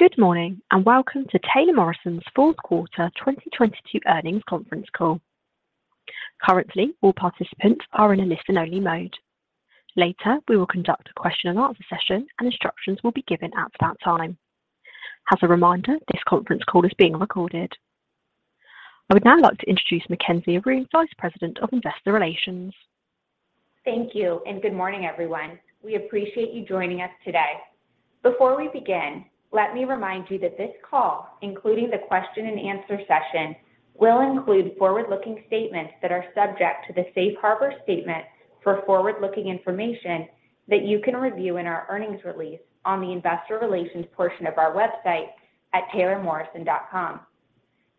Good morning, welcome to Taylor Morrison's fourth quarter 2022 earnings conference call. Currently, all participants are in a listen-only mode. Later, we will conduct a question-and-answer session, and instructions will be given at that time. As a reminder, this conference call is being recorded. I would now like to introduce Mackenzie Aron, Vice President of Investor Relations. Thank you. Good morning, everyone. We appreciate you joining us today. Before we begin, let me remind you that this call, including the question-and-answer session, will include forward-looking statements that are subject to the safe harbor statement for forward-looking information that you can review in our earnings release on the investor relations portion of our website at taylormorrison.com.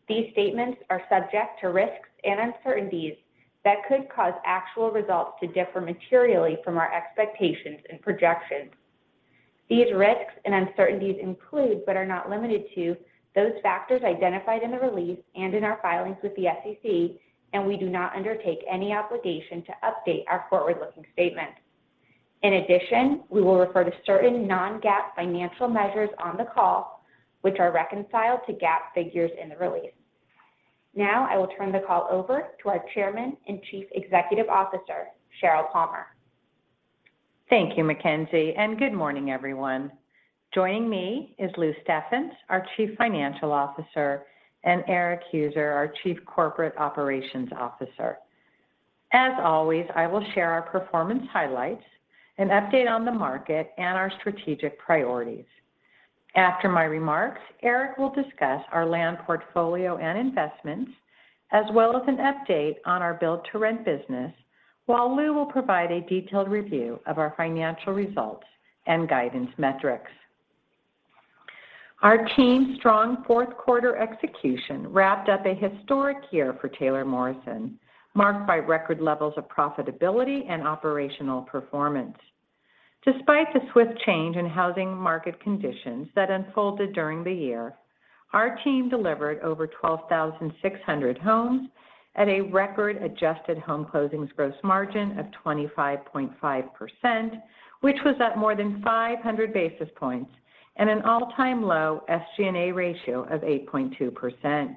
These statements are subject to risks and uncertainties that could cause actual results to differ materially from our expectations and projections. These risks and uncertainties include, but are not limited to, those factors identified in the release and in our filings with the SEC, and we do not undertake any obligation to update our forward-looking statements. In addition, we will refer to certain non-GAAP financial measures on the call, which are reconciled to GAAP figures in the release. Now, I will turn the call over to our Chairman and Chief Executive Officer, Sheryl Palmer. Thank you, Mackenzie. Good morning, everyone. Joining me is Lou Steffens, our Chief Financial Officer, and Erik Heuser, our Chief Corporate Operations Officer. As always, I will share our performance highlights, an update on the market, and our strategic priorities. After my remarks, Erik will discuss our land portfolio and investments, as well as an update on our build-to-rent business, while Lou will provide a detailed review of our financial results and guidance metrics. Our team's strong fourth quarter execution wrapped up a historic year for Taylor Morrison, marked by record levels of profitability and operational performance. Despite the swift change in housing market conditions that unfolded during the year, our team delivered over 12,600 homes at a record adjusted home closings gross margin of 25.5%, which was up more than 500 basis points and an all-time low SG&A ratio of 8.2%.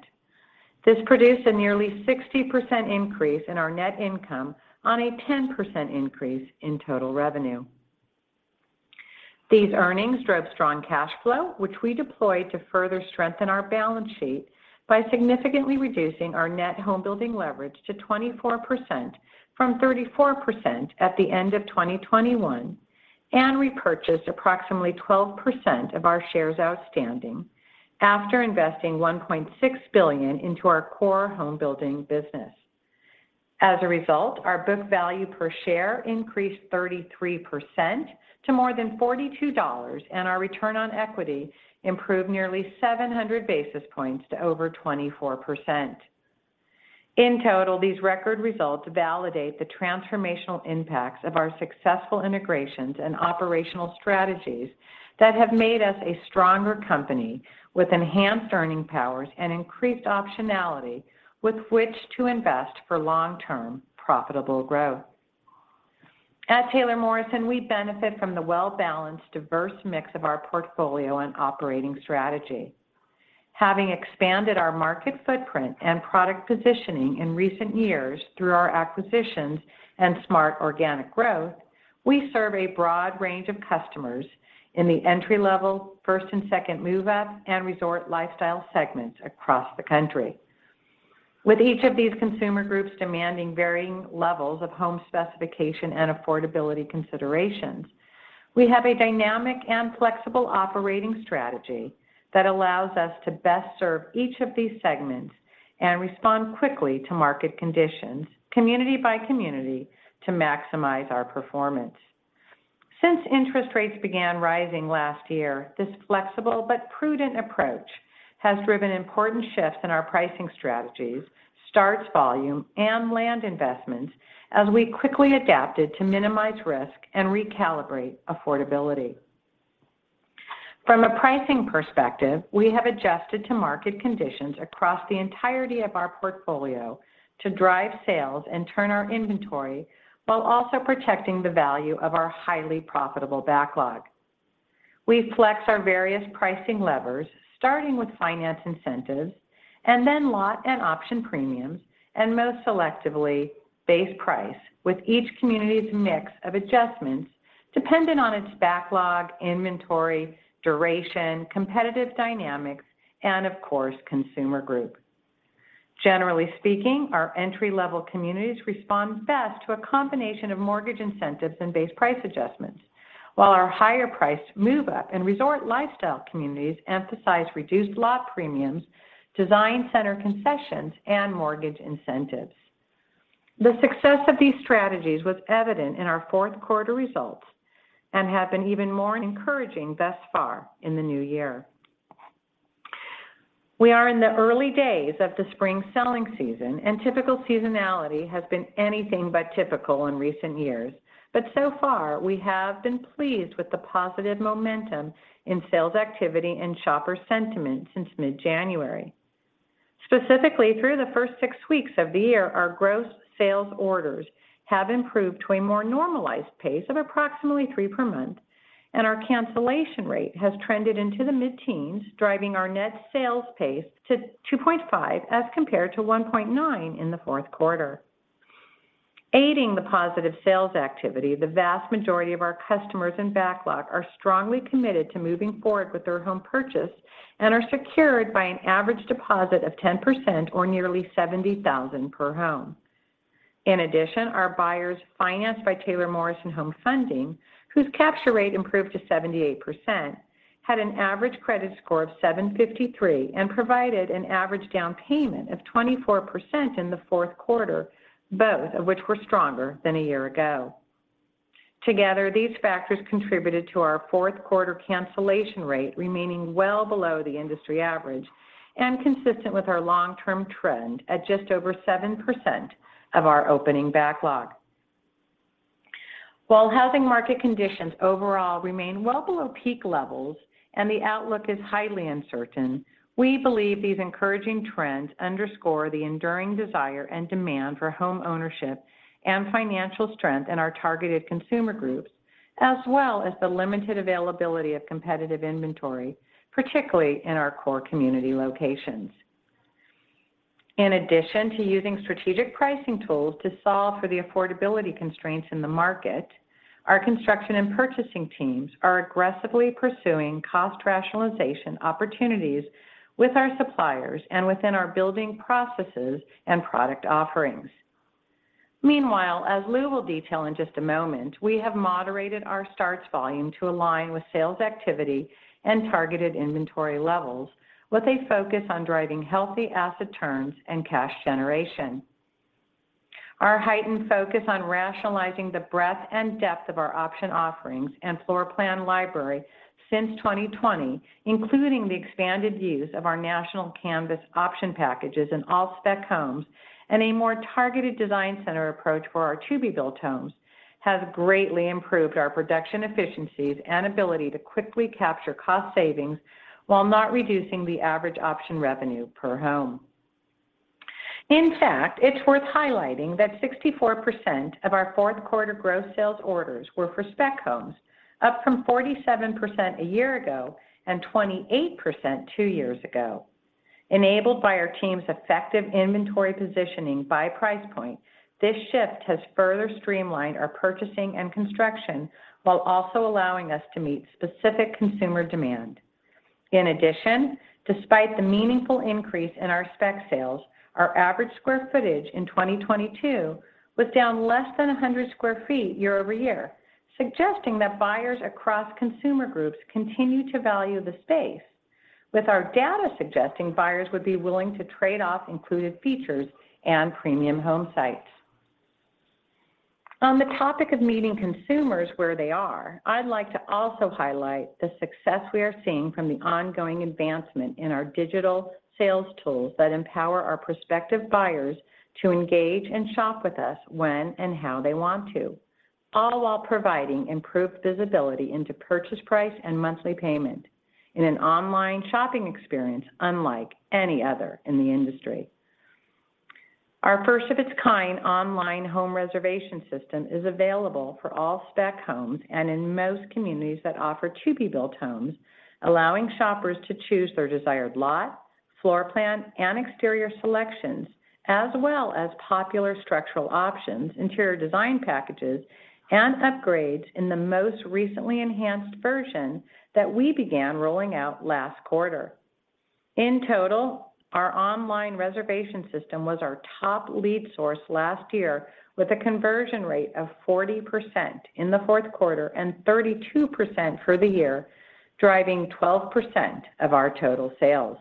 This produced a nearly 60% increase in our net income on a 10% increase in total revenue. These earnings drove strong cash flow, which we deployed to further strengthen our balance sheet by significantly reducing our net home building leverage to 24% from 34% at the end of 2021 and repurchased approximately 12% of our shares outstanding after investing $1.6 billion into our core home building business. As a result, our book value per share increased 33% to more than $42 and our return on equity improved nearly 700 basis points to over 24%. In total, these record results validate the transformational impacts of our successful integrations and operational strategies that have made us a stronger company with enhanced earning powers and increased optionality with which to invest for long-term profitable growth. At Taylor Morrison, we benefit from the well-balanced, diverse mix of our portfolio and operating strategy. Having expanded our market footprint and product positioning in recent years through our acquisitions and smart organic growth, we serve a broad range of customers in the entry-level, first- and second-move-up, and resort lifestyle segments across the country. With each of these consumer groups demanding varying levels of home specification and affordability considerations, we have a dynamic and flexible operating strategy that allows us to best serve each of these segments and respond quickly to market conditions, community by community, to maximize our performance. Since interest rates began rising last year, this flexible but prudent approach has driven important shifts in our pricing strategies, starts volume, and land investments as we quickly adapted to minimize risk and recalibrate affordability. From a pricing perspective, we have adjusted to market conditions across the entirety of our portfolio to drive sales and turn our inventory while also protecting the value of our highly profitable backlog. We flex our various pricing levers, starting with finance incentives and then lot and option premiums, and most selectively base price with each community's mix of adjustments dependent on its backlog, inventory, duration, competitive dynamics, and of course, consumer group. Generally speaking, our entry-level communities respond best to a combination of mortgage incentives and base price adjustments, while our higher-priced move-up and resort lifestyle communities emphasize reduced lot premiums, design center concessions, and mortgage incentives. The success of these strategies was evident in our fourth quarter results and have been even more encouraging thus far in the new year. We are in the early days of the spring selling season, and typical seasonality has been anything but typical in recent years. So far, we have been pleased with the positive momentum in sales activity and shopper sentiment since mid-January. Specifically, through the first six weeks of the year, our gross sales orders have improved to a more normalized pace of approximately three per month, and our cancellation rate has trended into the mid-teens, driving our net sales pace to 2.5 as compared to 1.9 in the fourth quarter. Aiding the positive sales activity, the vast majority of our customers in backlog are strongly committed to moving forward with their home purchase and are secured by an average deposit of 10% or nearly $70,000 per home. In addition, our buyers financed by Taylor Morrison Home Funding, whose capture rate improved to 78%, had an average credit score of 753 and provided an average down payment of 24% in the fourth quarter, both of which were stronger than a year ago. Together, these factors contributed to our fourth quarter cancellation rate remaining well below the industry average and consistent with our long-term trend at just over 7% of our opening backlog. While housing market conditions overall remain well below peak levels and the outlook is highly uncertain, we believe these encouraging trends underscore the enduring desire and demand for homeownership and financial strength in our targeted consumer groups, as well as the limited availability of competitive inventory, particularly in our core community locations. In addition to using strategic pricing tools to solve for the affordability constraints in the market, our construction and purchasing teams are aggressively pursuing cost rationalization opportunities with our suppliers and within our building processes and product offerings. As Lou will detail in just a moment, we have moderated our starts volume to align with sales activity and targeted inventory levels with a focus on driving healthy asset turns and cash generation. Our heightened focus on rationalizing the breadth and depth of our option offerings and floor plan library since 2020, including the expanded use of our national Canvas option packages in all spec homes and a more targeted design center approach for our to-be-built homes, has greatly improved our production efficiencies and ability to quickly capture cost savings while not reducing the average option revenue per home. It's worth highlighting that 64% of our fourth quarter gross sales orders were for spec homes, up from 47% a year ago and 28% two years ago. Enabled by our team's effective inventory positioning by price point, this shift has further streamlined our purchasing and construction while also allowing us to meet specific consumer demand. Despite the meaningful increase in our spec sales, our average square footage in 2022 was down less than 100 sq ft year-over-year, suggesting that buyers across consumer groups continue to value the space, with our data suggesting buyers would be willing to trade off included features and premium home sites. On the topic of meeting consumers where they are, I'd like to also highlight the success we are seeing from the ongoing advancement in our digital sales tools that empower our prospective buyers to engage and shop with us when and how they want to, all while providing improved visibility into purchase price and monthly payment in an online shopping experience unlike any other in the industry. Our first of its kind online home reservation system is available for all spec homes and in most communities that offer to-be-built homes, allowing shoppers to choose their desired lot, floor plan, and exterior selections, as well as popular structural options, interior design packages, and upgrades in the most recently enhanced version that we began rolling out last quarter. In total, our online reservation system was our top lead source last year, with a conversion rate of 40% in the fourth quarter and 32% for the year, driving 12% of our total sales.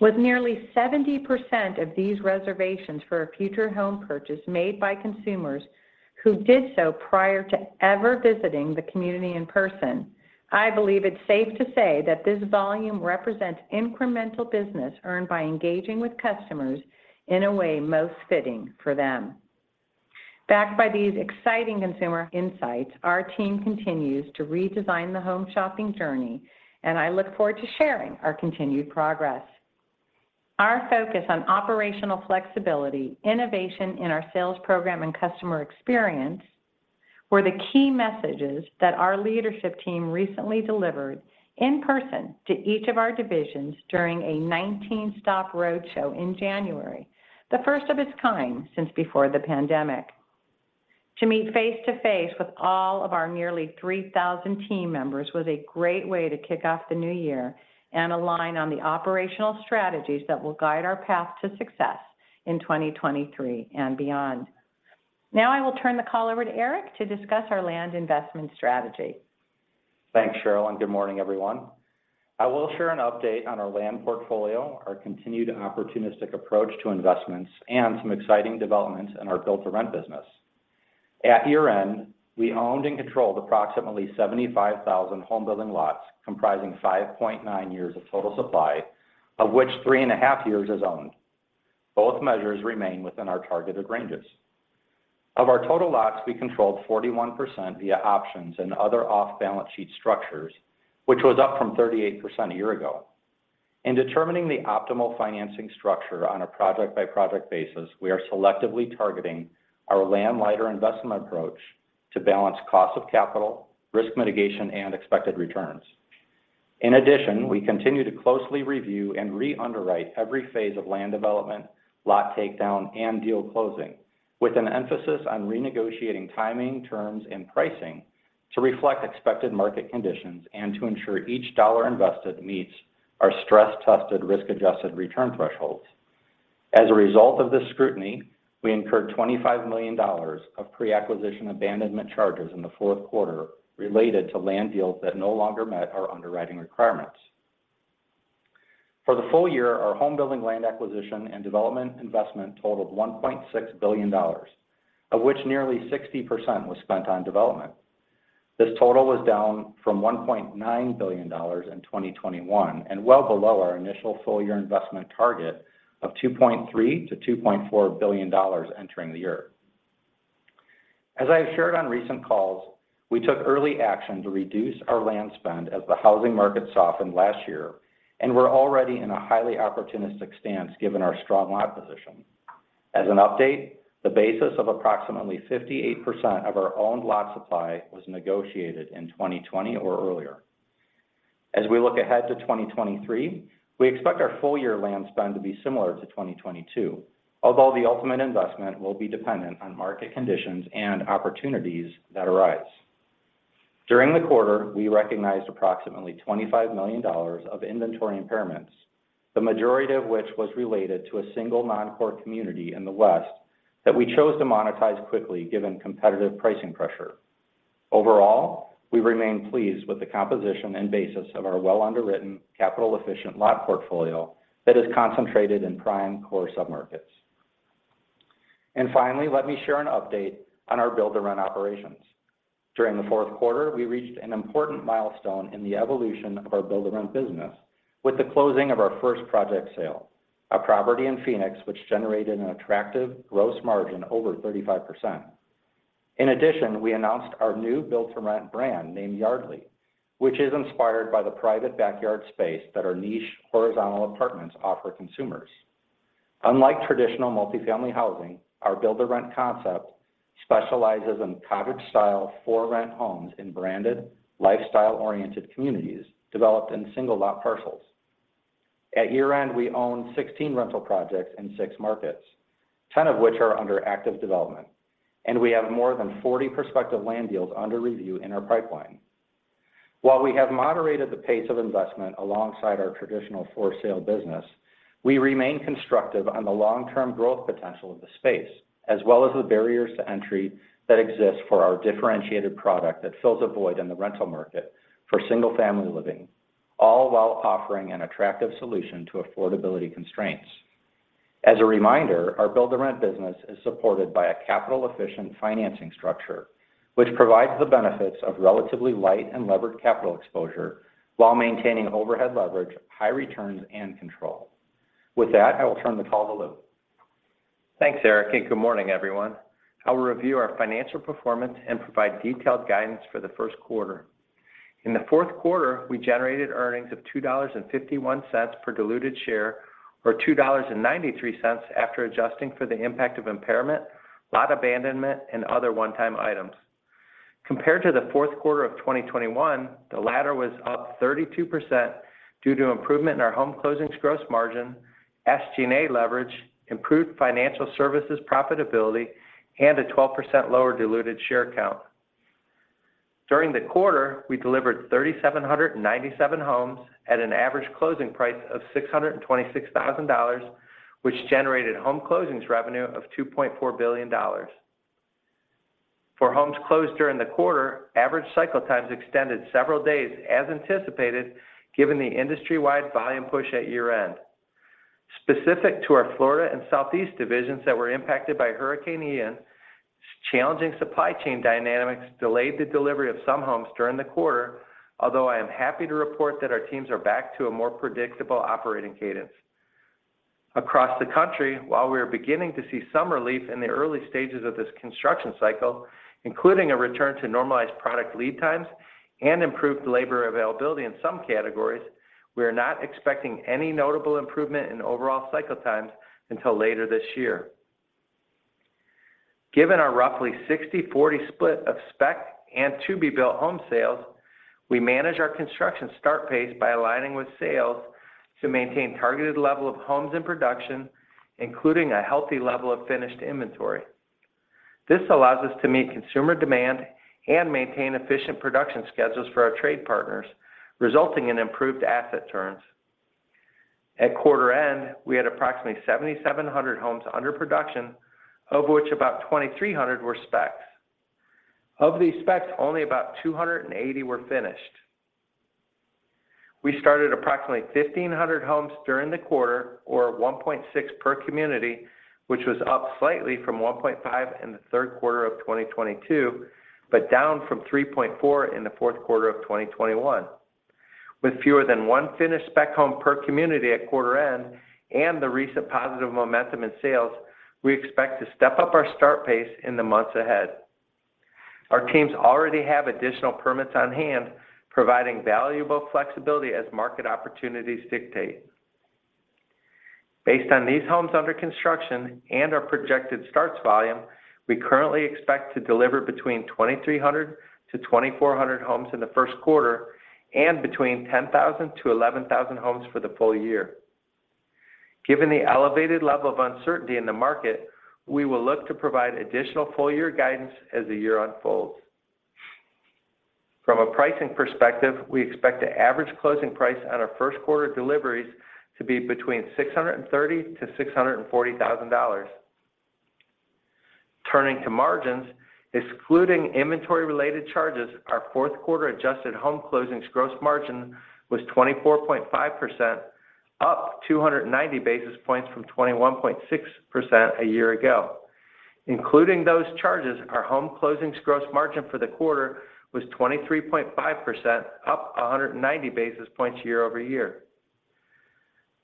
With nearly 70% of these reservations for a future home purchase made by consumers who did so prior to ever visiting the community in person, I believe it's safe to say that this volume represents incremental business earned by engaging with customers in a way most fitting for them. Backed by these exciting consumer insights, our team continues to redesign the home shopping journey, and I look forward to sharing our continued progress. Our focus on operational flexibility, innovation in our sales program, and customer experience were the key messages that our leadership team recently delivered in person to each of our divisions during a 19-stop roadshow in January, the first of its kind since before the pandemic. To meet face to face with all of our nearly 3,000 team members was a great way to kick off the new year and align on the operational strategies that will guide our path to success in 2023 and beyond. I will turn the call over to Erik to discuss our land investment strategy. Thanks, Sheryl. Good morning, everyone. I will share an update on our land portfolio, our continued opportunistic approach to investments, and some exciting developments in our build-to-rent business. At year-end, we owned and controlled approximately 75,000 home-building lots comprising 5.9 years of total supply, of which 3.5 years is owned. Both measures remain within our targeted ranges. Of our total lots, we controlled 41% via options and other off-balance sheet structures, which was up from 38% a year ago. In determining the optimal financing structure on a project-by-project basis, we are selectively targeting our landlighter investment approach to balance cost of capital, risk mitigation, and expected returns. In addition, we continue to closely review and re-underwrite every phase of land development, lot takedown, and deal closing with an emphasis on renegotiating timing, terms, and pricing to reflect expected market conditions and to ensure each dollar invested meets our stress-tested risk-adjusted return thresholds. As a result of this scrutiny, we incurred $25 million of pre-acquisition abandonment charges in the fourth quarter related to land deals that no longer met our underwriting requirements. For the full year, our home building land acquisition and development investment totaled $1.6 billion, of which nearly 60% was spent on development. This total was down from $1.9 billion in 2021 and well below our initial full-year investment target of $2.3 billion-$2.4 billion entering the year. As I have shared on recent calls, we took early action to reduce our land spend as the housing market softened last year. We're already in a highly opportunistic stance given our strong lot position. As an update, the basis of approximately 58% of our owned lot supply was negotiated in 2020 or earlier. As we look ahead to 2023, we expect our full-year land spend to be similar to 2022, although the ultimate investment will be dependent on market conditions and opportunities that arise. During the quarter, we recognized approximately $25 million of inventory impairments, the majority of which was related to a single non-core community in the West that we chose to monetize quickly given competitive pricing pressure. Overall, we remain pleased with the composition and basis of our well-underwritten capital-efficient lot portfolio that is concentrated in prime core submarkets. Finally, let me share an update on our build-to-rent operations. During the 4th quarter, we reached an important milestone in the evolution of our build-to-rent business with the closing of our first project sale, a property in Phoenix which generated an attractive gross margin over 35%. In addition, we announced our new build-to-rent brand named Yardly, which is inspired by the private backyard space that our niche horizontal apartments offer consumers. Unlike traditional multifamily housing, our build-to-rent concept specializes in cottage-style for-rent homes in branded, lifestyle-oriented communities developed in single-lot parcels. At year-end, we own 16 rental projects in six markets, 10 of which are under active development, and we have more than 40 prospective land deals under review in our pipeline. While we have moderated the pace of investment alongside our traditional for-sale business, we remain constructive on the long-term growth potential of the space, as well as the barriers to entry that exist for our differentiated product that fills a void in the rental market for single-family living, all while offering an attractive solution to affordability constraints. As a reminder, our build-to-rent business is supported by a capital-efficient financing structure, which provides the benefits of relatively light and levered capital exposure while maintaining overhead leverage, high returns, and control. With that, I will turn the call to Lou. Thanks, Erik, and good morning, everyone. I will review our financial performance and provide detailed guidance for the first quarter. In the fourth quarter, we generated earnings of $2.51 per diluted share or $2.93 after adjusting for the impact of impairment, lot abandonment, and other one-time items. Compared to the fourth quarter of 2021, the latter was up 32% due to improvement in our home closings gross margin, SG&A leverage, improved financial services profitability, and a 12% lower diluted share count. During the quarter, we delivered 3,797 homes at an average closing price of $626,000, which generated home closings revenue of $2.4 billion. For homes closed during the quarter, average cycle times extended several days as anticipated given the industry-wide volume push at year-end. Specific to our Florida and Southeast divisions that were impacted by Hurricane Ian, challenging supply chain dynamics delayed the delivery of some homes during the quarter, although I am happy to report that our teams are back to a more predictable operating cadence. Across the country, while we are beginning to see some relief in the early stages of this construction cycle, including a return to normalized product lead times and improved labor availability in some categories, we are not expecting any notable improvement in overall cycle times until later this year. Given our roughly 60-40 split of spec and to-be-built home sales, we manage our construction start pace by aligning with sales to maintain targeted level of homes in production, including a healthy level of finished inventory. This allows us to meet consumer demand and maintain efficient production schedules for our trade partners, resulting in improved asset turns. At quarter-end, we had approximately 7,700 homes under production, of which about 2,300 were specs. Of these specs, only about 280 were finished. We started approximately 1,500 homes during the quarter, or 1.6 per community, which was up slightly from 1.5 in the third quarter of 2022, but down from 3.4 in the fourth quarter of 2021. With fewer than one finished spec home per community at quarter end and the recent positive momentum in sales, we expect to step up our start pace in the months ahead. Our teams already have additional permits on hand, providing valuable flexibility as market opportunities dictate. Based on these homes under construction and our projected starts volume, we currently expect to deliver between 2,300-2,400 homes in the first quarter and between 10,000-11,000 homes for the full year. Given the elevated level of uncertainty in the market, we will look to provide additional full year guidance as the year unfolds. From a pricing perspective, we expect the average closing price on our first quarter deliveries to be between $630,000-$640,000. Turning to margins, excluding inventory related charges, our fourth quarter adjusted home closings gross margin was 24.5%, up 290 basis points from 21.6% a year ago. Including those charges, our home closings gross margin for the quarter was 23.5%, up 190 basis points year-over-year.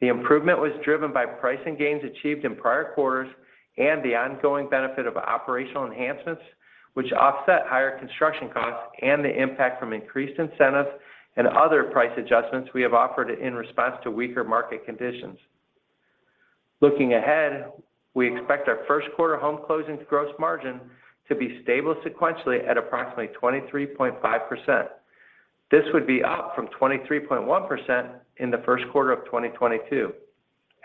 The improvement was driven by pricing gains achieved in prior quarters and the ongoing benefit of operational enhancements, which offset higher construction costs and the impact from increased incentives and other price adjustments we have offered in response to weaker market conditions. Looking ahead, we expect our first quarter home closings gross margin to be stable sequentially at approximately 23.5%. This would be up from 23.1% in the first quarter of 2022.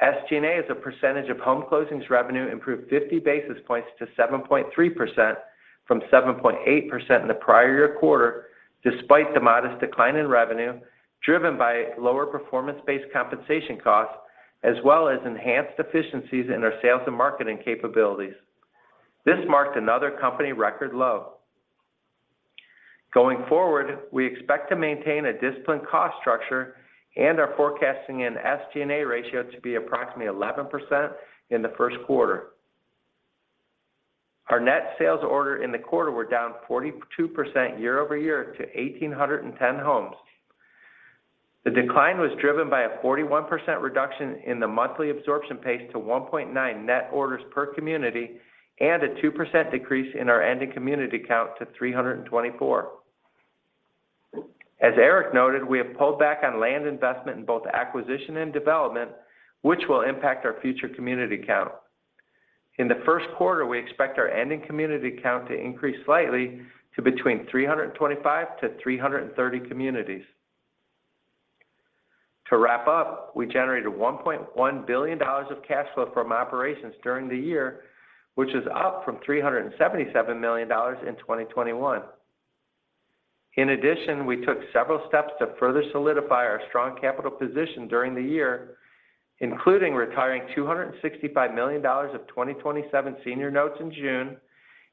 SG&A, as a percentage of home closings revenue, improved 50 basis points to 7.3% from 7.8% in the prior year quarter, despite the modest decline in revenue, driven by lower performance-based compensation costs, as well as enhanced efficiencies in our sales and marketing capabilities. This marked another company record low. Going forward, we expect to maintain a disciplined cost structure and are forecasting an SG&A ratio to be approximately 11% in the first quarter. Our net sales order in the quarter were down 42% year-over-year to 1,810 homes. The decline was driven by a 41% reduction in the monthly absorption pace to 1.9 net orders per community, and a 2% decrease in our ending community count to 324. As Erik noted, we have pulled back on land investment in both acquisition and development, which will impact our future community count. In the first quarter, we expect our ending community count to increase slightly to between 325-330 communities. To wrap up, we generated $1.1 billion of cash flow from operations during the year, which is up from $377 million in 2021. In addition, we took several steps to further solidify our strong capital position during the year, including retiring $265 million of 2027 senior notes in June,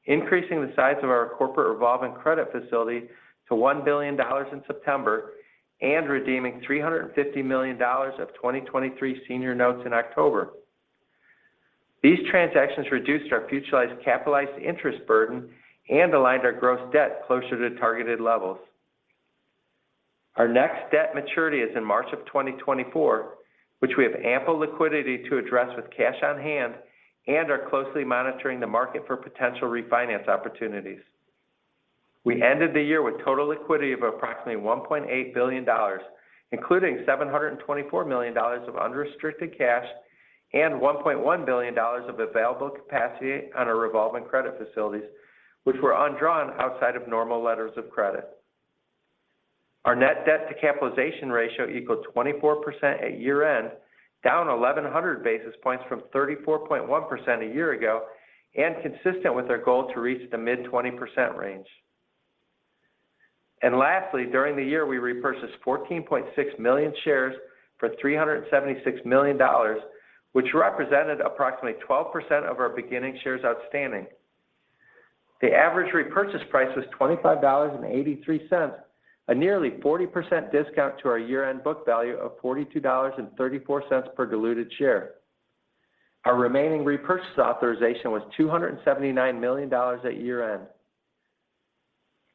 increasing the size of our corporate revolving credit facility to $1 billion in September, and redeeming $350 million of 2023 senior notes in October. These transactions reduced our futurized capitalized interest burden and aligned our gross debt closer to targeted levels. Our next debt maturity is in March of 2024, which we have ample liquidity to address with cash on hand and are closely monitoring the market for potential refinance opportunities. We ended the year with total liquidity of approximately $1.8 billion, including $724 million of unrestricted cash and $1.1 billion of available capacity on our revolving credit facilities, which were undrawn outside of normal letters of credit. Our net debt to capitalization ratio equals 24% at year-end, down 1,100 basis points from 34.1% a year ago and consistent with our goal to reach the mid 20% range. Lastly, during the year, we repurchased 14.6 million shares for $376 million, which represented approximately 12% of our beginning shares outstanding. The average repurchase price was $25.83, a nearly 40% discount to our year-end book value of $42.34 per diluted share. Our remaining repurchase authorization was $279 million at year-end.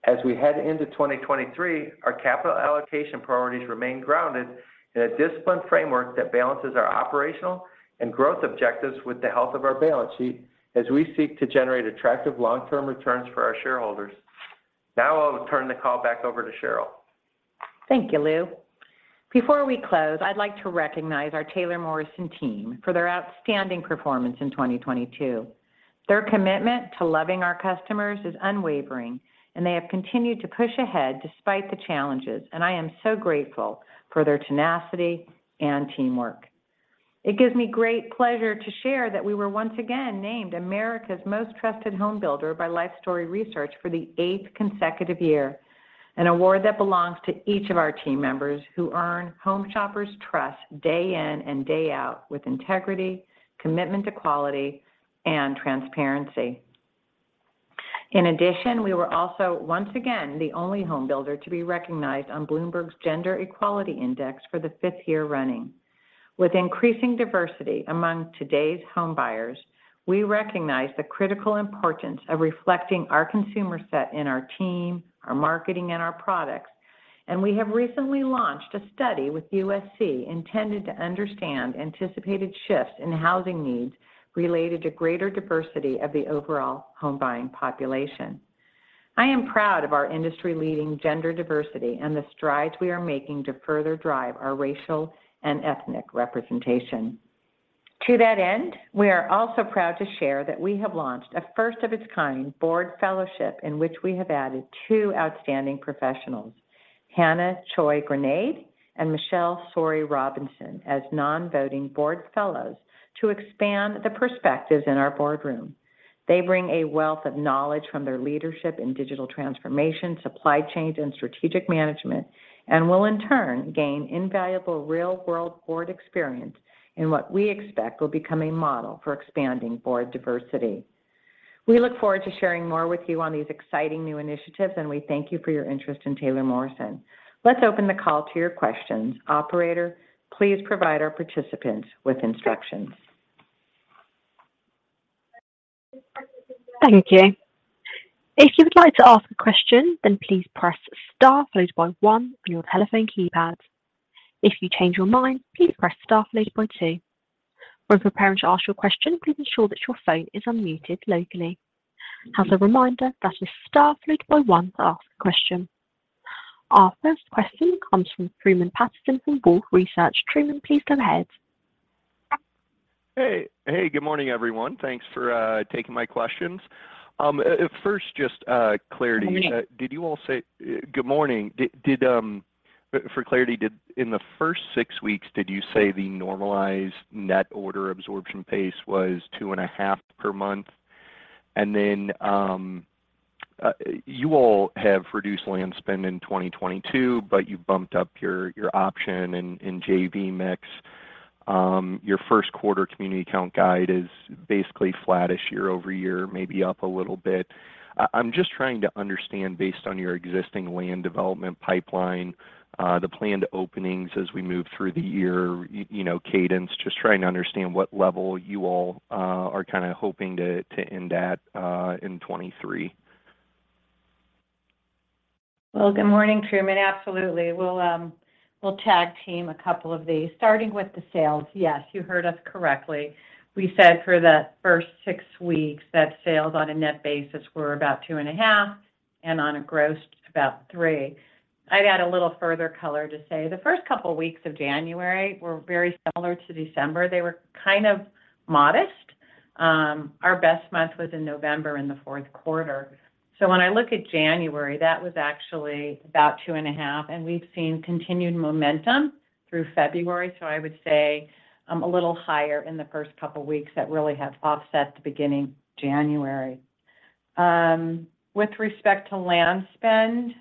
As we head into 2023, our capital allocation priorities remain grounded in a disciplined framework that balances our operational and growth objectives with the health of our balance sheet as we seek to generate attractive long-term returns for our shareholders. Now I'll turn the call back over to Sheryl. Thank you, Lou. Before we close, I'd like to recognize our Taylor Morrison team for their outstanding performance in 2022. Their commitment to loving our customers is unwavering, they have continued to push ahead despite the challenges. I am so grateful for their tenacity and teamwork. It gives me great pleasure to share that we were once again named America's Most Trusted Home Builder by Lifestory Research for the 8th consecutive year, an award that belongs to each of our team members who earn home shoppers' trust day in and day out with integrity, commitment to quality, and transparency. In addition, we were also, once again, the only home builder to be recognized on Bloomberg's Gender Equality Index for the 5th year running. With increasing diversity among today's home buyers, we recognize the critical importance of reflecting our consumer set in our team, our marketing, and our products. We have recently launched a study with USC intended to understand anticipated shifts in housing needs related to greater diversity of the overall home buying population. I am proud of our industry-leading gender diversity and the strides we are making to further drive our racial and ethnic representation. To that end, we are also proud to share that we have launched a first of its kind board fellowship in which we have added two outstanding professionals, Hannah Choi Granade and Michelle Sourie Robinson, as non-voting board fellows to expand the perspectives in our boardroom. They bring a wealth of knowledge from their leadership in digital transformation, supply chain, and strategic management, and will in turn gain invaluable real-world board experience in what we expect will become a model for expanding board diversity. We look forward to sharing more with you on these exciting new initiatives, and we thank you for your interest in Taylor Morrison. Let's open the call to your questions. Operator, please provide our participants with instructions. Thank you. If you would like to ask a question, please press star followed by one on your telephone keypad. If you change your mind, please press star followed by two. When preparing to ask your question, please ensure that your phone is unmuted locally. As a reminder, that is star followed by one to ask a question. Our first question comes from Truman Patterson from Wolfe Research. Truman, please go ahead. Hey. Hey, good morning, everyone. Thanks for taking my questions. At first just clarity. Good morning. Good morning. Did, for clarity, in the first six weeks, did you say the normalized net order absorption pace was 2.5 per month? You all have reduced land spend in 2022, but you bumped up your option in JV mix. Your first quarter community count guide is basically flattish year-over-year, maybe up a little bit. I'm just trying to understand based on your existing land development pipeline, the planned openings as we move through the year, you know, cadence, just trying to understand what level you all are kinda hoping to end at in 2023. Well, good morning, Truman. Absolutely. We'll tag-team a couple of these. Starting with the sales, yes, you heard us correctly. We said for the first six weeks that sales on a net basis were about 2.5, and on a gross about three. I'd add a little further color to say the first couple weeks of January were very similar to December. They were kind of modest. Our best month was in November in the fourth quarter. When I look at January, that was actually about 2.5, and we've seen continued momentum through February. I would say a little higher in the first couple weeks that really have offset the beginning January. With respect to land spend.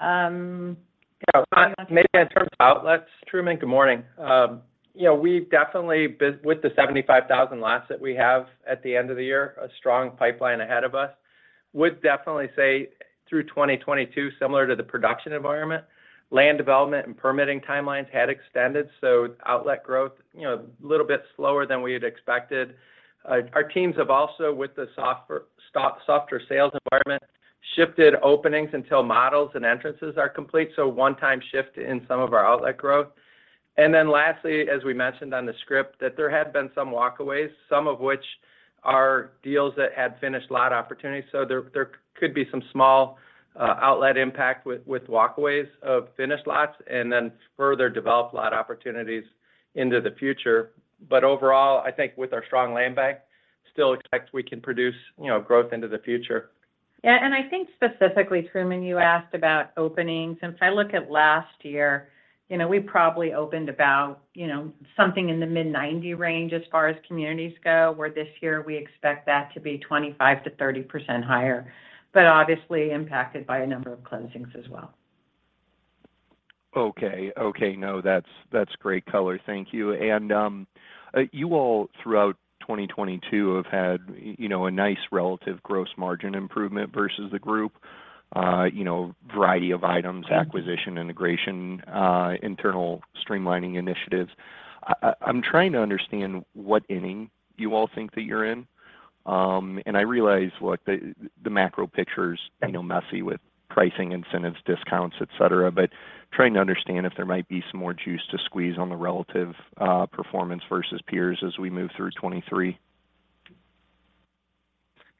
Yeah. Maybe in terms of outlets. Truman, good morning. You know, we've definitely been, with the 75,000 lots that we have at the end of the year, a strong pipeline ahead of us, would definitely say through 2022, similar to the production environment, land development and permitting timelines had extended. Outlet growth, you know, a little bit slower than we had expected. Our teams have also, with the softer sales environment, shifted openings until models and entrances are complete, so one-time shift in some of our outlet growth. Lastly, as we mentioned on the script, that there have been some walkaways, some of which are deals that had finished lot opportunities. There could be some small outlet impact with walkaways of finished lots and then further developed lot opportunities into the future. Overall, I think with our strong land bank, still expect we can produce, you know, growth into the future. Yeah. I think specifically, Truman Patterson, you asked about openings, and if I look at last year, you know, we probably opened about, you know, something in the mid-90 range as far as communities go, where this year we expect that to be 25%-30% higher, but obviously impacted by a number of closings as well. Okay. Okay. No, that's great color. Thank you. You all throughout 2022 have had, you know, a nice relative gross margin improvement versus the group, you know, variety of items, acquisition, integration, internal streamlining initiatives. I'm trying to understand what inning you all think that you're in. I realize, look, the macro picture's, you know, messy with pricing, incentives, discounts, et cetera. Trying to understand if there might be some more juice to squeeze on the relative, performance versus peers as we move through 2023.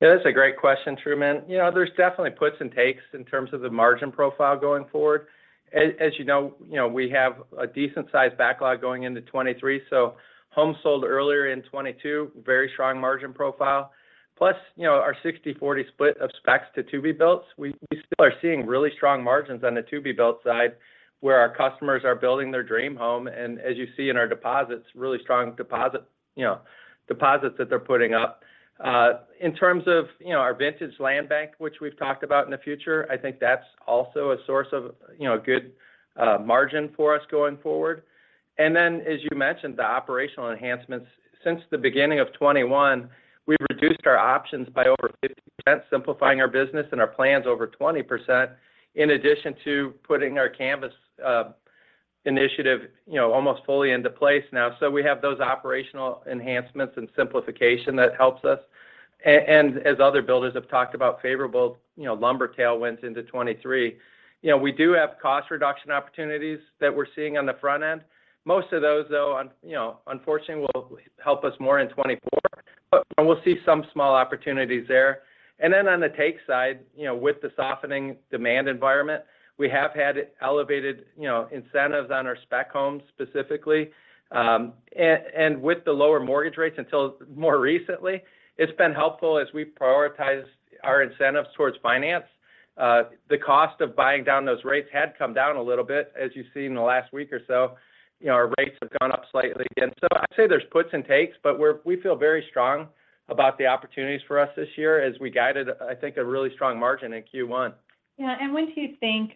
Yeah. That's a great question, Truman. You know, there's definitely puts and takes in terms of the margin profile going forward. As you know, you know, we have a decent sized backlog going into 23, so homes sold earlier in 22, very strong margin profile. Plus, you know, our 60/40 split of specs to to-be builds, we still are seeing really strong margins on the to-be build side, where our customers are building their dream home, and as you see in our deposits, really strong deposit, you know, deposits that they're putting up. In terms of, you know, our vintage land bank, which we've talked about in the future, I think that's also a source of, you know, good margin for us going forward. As you mentioned, the operational enhancements. Since the beginning of 2021, we've reduced our options by over 50%, simplifying our business and our plans over 20%, in addition to putting our Canvas Initiative, you know, almost fully into place now. We have those operational enhancements and simplification that helps us. As other builders have talked about favorable, you know, lumber tailwinds into 2023. You know, we do have cost reduction opportunities that we're seeing on the front end. Most of those though, you know, unfortunately, will help us more in 2024, we'll see some small opportunities there. On the take side, you know, with the softening demand environment, we have had elevated, you know, incentives on our spec homes specifically. With the lower mortgage rates until more recently, it's been helpful as we prioritize our incentives towards finance. The cost of buying down those rates had come down a little bit. As you've seen in the last week or so, you know, our rates have gone up slightly. I'd say there's puts and takes, but we feel very strong about the opportunities for us this year as we guided, I think, a really strong margin in Q1. When do you think,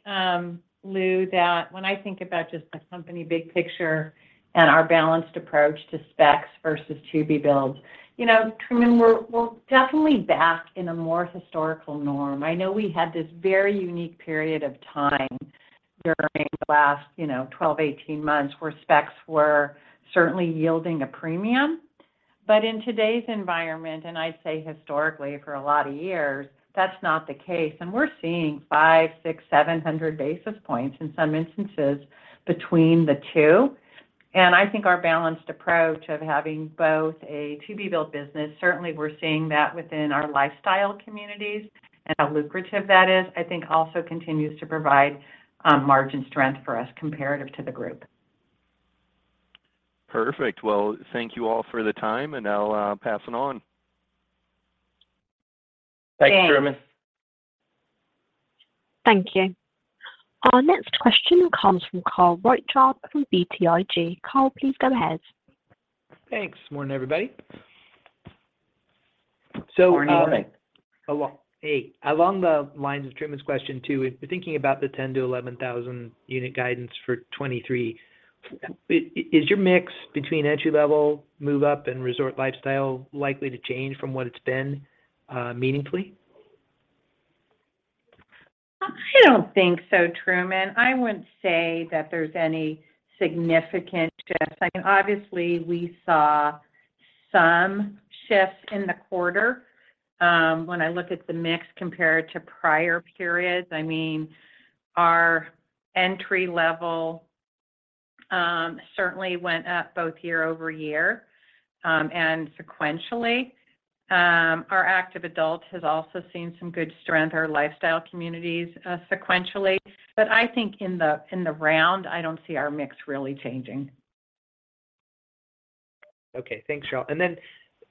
Lou, that when I think about just the company big picture and our balanced approach to specs versus to-be builds. You know, Truman, we're definitely back in a more historical norm. I know we had this very unique period of time during the last, you know, 12, 18 months where specs were certainly yielding a premium. In today's environment, and I'd say historically for a lot of years, that's not the case. We're seeing 500, 600, 700 basis points in some instances between the two. I think our balanced approach of having both a to-be build business, certainly we're seeing that within our lifestyle communities and how lucrative that is, I think also continues to provide margin strength for us comparative to the group. Perfect. Well, thank you all for the time. I'll pass it on. Thanks. Thanks, Truman. Thank you. Our next question comes from Carl Reichardt from BTIG. Carl, please go ahead. Thanks. Morning, everybody. Morning. Along the lines of Truman's question too, if you're thinking about the 10,000-11,000 unit guidance for 2023, is your mix between entry-level, move-up, and resort lifestyle likely to change from what it's been, meaningfully? I don't think so, Truman. I wouldn't say that there's any significant shift. I mean, obviously, we saw some shifts in the quarter. When I look at the mix compared to prior periods, I mean, our entry level, certainly went up both year-over-year, and sequentially. Our active adult has also seen some good strength, our lifestyle communities, sequentially. I think in the, in the round, I don't see our mix really changing. Okay. Thanks, Sheryl.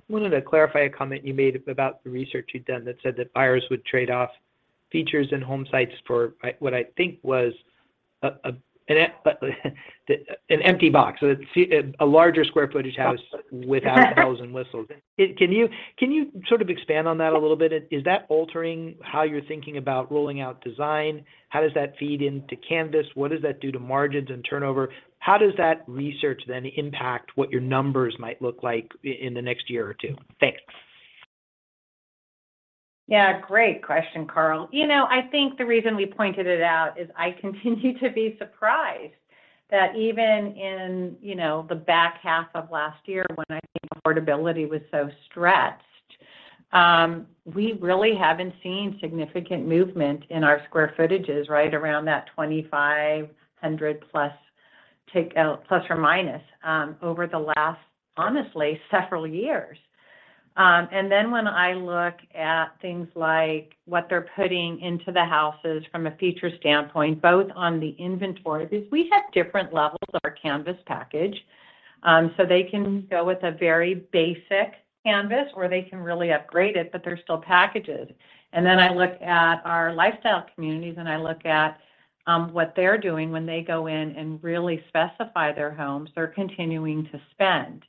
Wanted to clarify a comment you made about the research you'd done that said that buyers would trade off features and home sites for what I think was an empty box, a larger square footage house without- bells and whistles. Can you sort of expand on that a little bit? Is that altering how you're thinking about rolling out design? How does that feed into Canvas? What does that do to margins and turnover? How does that research impact what your numbers might look like in the next year or two? Thanks. Yeah, great question, Carl. You know, I think the reason we pointed it out is I continue to be surprised that even in, you know, the back half of last year when I think affordability was so stretched, we really haven't seen significant movement in our square footages right around that 2,500 sq ft plus, take, ±, over the last, honestly, several years. When I look at things like what they're putting into the houses from a feature standpoint, both on the inventory, because we have different levels of our Canvas package. They can go with a very basic Canvas or they can really upgrade it, but they're still packages. I look at our lifestyle communities, and I look at, what they're doing when they go in and really specify their homes. They're continuing to spend.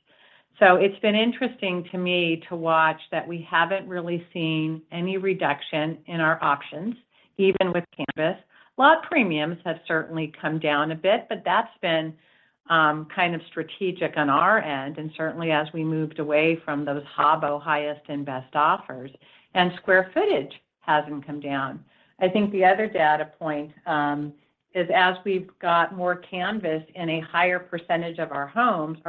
It's been interesting to me to watch that we haven't really seen any reduction in our options, even with Canvas. Lot premiums have certainly come down a bit, but that's been kind of strategic on our end, and certainly as we moved away from those HABO, highest and best offers. Square footage hasn't come down. I think the other data point is as we've got more Canvas in a higher percentage of our homes,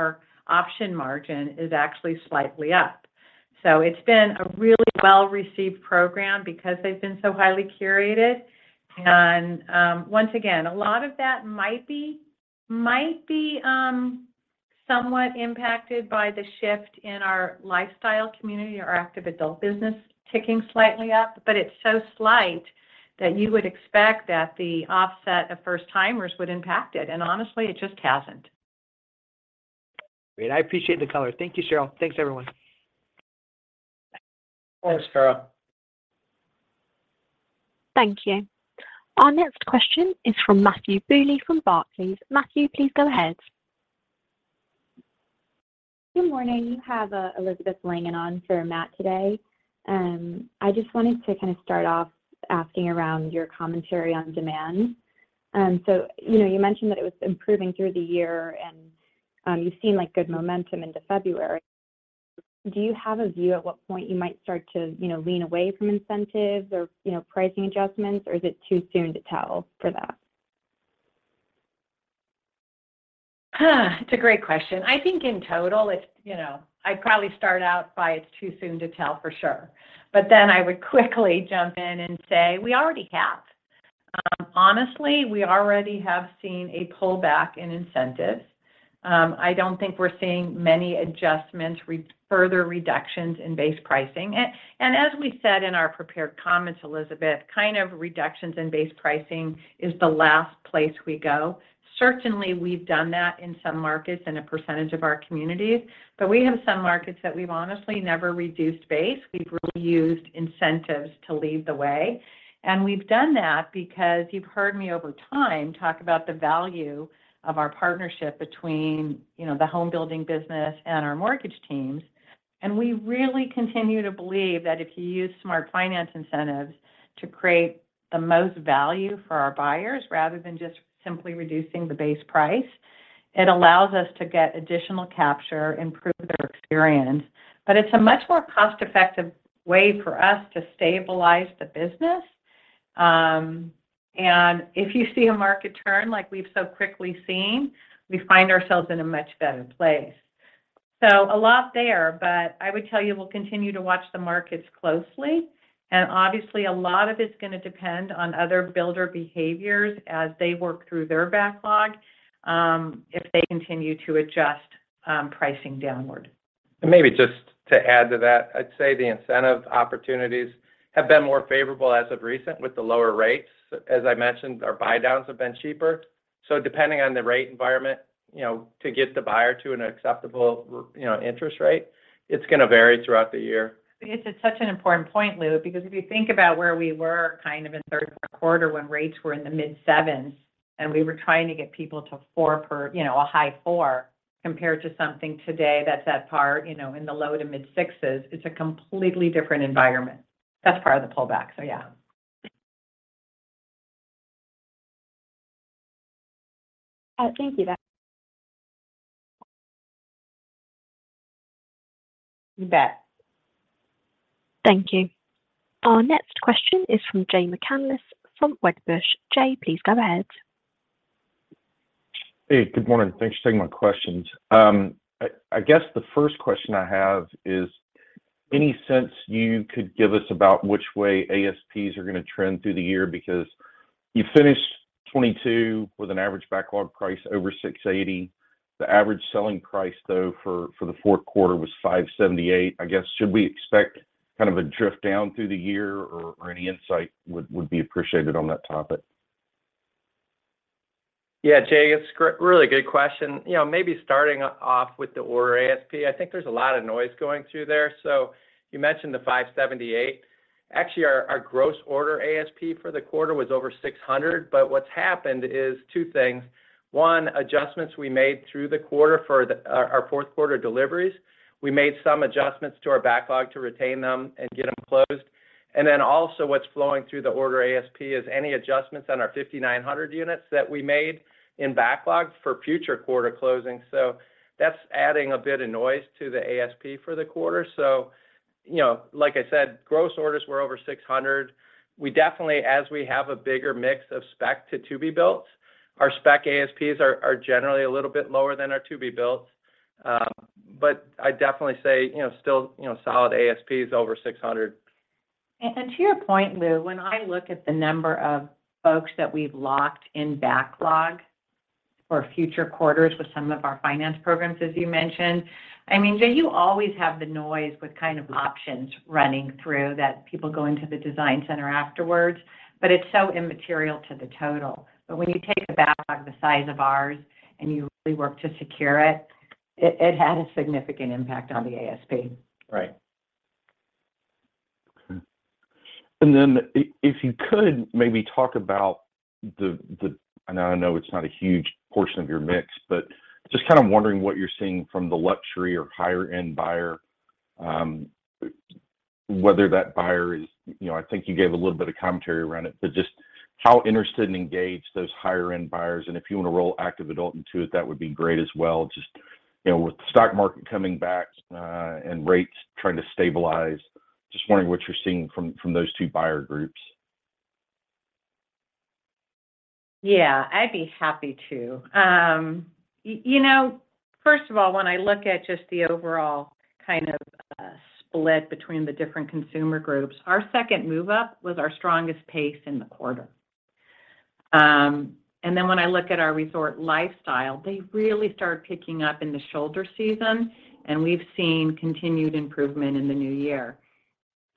our option margin is actually slightly up. It's been a really well-received program because they've been so highly curated. Once again, a lot of that might be somewhat impacted by the shift in our lifestyle community or active adult business ticking slightly up, but it's so slight that you would expect that the offset of first-timers would impact it. Honestly, it just hasn't. Great. I appreciate the color. Thank you, Sheryl. Thanks, everyone. Thanks, Carl. Thank you. Our next question is from Matthew Bouley from Barclays. Matthew, please go ahead. Good morning. You have Elizabeth Langan on for Matt today. I just wanted to kind of start off asking around your commentary on demand. You know, you mentioned that it was improving through the year, and, you've seen, like, good momentum into February. Do you have a view at what point you might start to, you know, lean away from incentives or, you know, pricing adjustments, or is it too soon to tell for that? It's a great question. I think in total, you know, I'd probably start out by it's too soon to tell for sure. I would quickly jump in and say we already have. Honestly, we already have seen a pullback in incentives. I don't think we're seeing many adjustments, further reductions in base pricing. And as we said in our prepared comments, Elizabeth, kind of reductions in base pricing is the last place we go. Certainly, we've done that in some markets in a percentage of our communities, but we have some markets that we've honestly never reduced base. We've really used incentives to lead the way, and we've done that because you've heard me over time talk about the value of our partnership between, you know, the home building business and our mortgage teams. We really continue to believe that if you use smart finance incentives to create the most value for our buyers rather than just simply reducing the base price, it allows us to get additional capture, improve their experience. It's a much more cost-effective way for us to stabilize the business. If you see a market turn like we've so quickly seen, we find ourselves in a much better place. A lot there, but I would tell you we'll continue to watch the markets closely, and obviously, a lot of it's gonna depend on other builder behaviors as they work through their backlog, if they continue to adjust, pricing downward. Maybe just to add to that, I'd say the incentive opportunities have been more favorable as of recent with the lower rates. As I mentioned, our buy downs have been cheaper. Depending on the rate environment, you know, to get the buyer to an acceptable, you know, interest rate, it's gonna vary throughout the year. It's such an important point, Lou, because if you think about where we were kind of in third quarter when rates were in the mid 7s and we were trying to get people to You know, a high 4 compared to something today that's at par, you know, in the low to mid 6s, it's a completely different environment. That's part of the pullback. Yeah. Thank you, Beth. You bet. Thank you. Our next question is from Jay McCanless from Wedbush. Jay, please go ahead. Hey, good morning. Thanks for taking my questions. I guess the first question I have is any sense you could give us about which way ASPs are gonna trend through the year because you finished 2022 with an average backlog price over $680. The average selling price, though, for the fourth quarter was $578. I guess, should we expect kind of a drift down through the year or any insight would be appreciated on that topic. Yeah, Jay, it's really good question. You know, maybe starting off with the order ASP, I think there's a lot of noise going through there. You mentioned the $578. Actually, our gross order ASP for the quarter was over $600. What's happened is two things. One, adjustments we made through the quarter for our fourth quarter deliveries. We made some adjustments to our backlog to retain them and get them closed. Then also what's flowing through the order ASP is any adjustments on our 5,900 units that we made in backlog for future quarter closings. That's adding a bit of noise to the ASP for the quarter. You know, like I said, gross orders were over $600. We definitely, as we have a bigger mix of spec to to-be builds, our spec ASPs are generally a little bit lower than our to-be builds. I'd definitely say, you know, still, you know, solid ASP is over $600. To your point, Lou, when I look at the number of folks that we've locked in backlog for future quarters with some of our finance programs, as you mentioned, I mean, Jay, you always have the noise with kind of options running through that people go into the design center afterwards, but it's so immaterial to the total. When you take a backlog the size of ours and you really work to secure it had a significant impact on the ASP. Right. Okay. If you could maybe talk about the. I know it's not a huge portion of your mix, but just kind of wondering what you're seeing from the luxury or higher-end buyer, whether that buyer is. You know, I think you gave a little bit of commentary around it, but just how interested and engaged those higher-end buyers, and if you want to roll active adult into it, that would be great as well. You know, with the stock market coming back, and rates trying to stabilize, just wondering what you're seeing from those two buyer groups. Yeah. I'd be happy to. You know, first of all, when I look at just the overall kind of split between the different consumer groups, our second move up was our strongest pace in the quarter. Then when I look at our resort lifestyle, they really start picking up in the shoulder season, and we've seen continued improvement in the new year.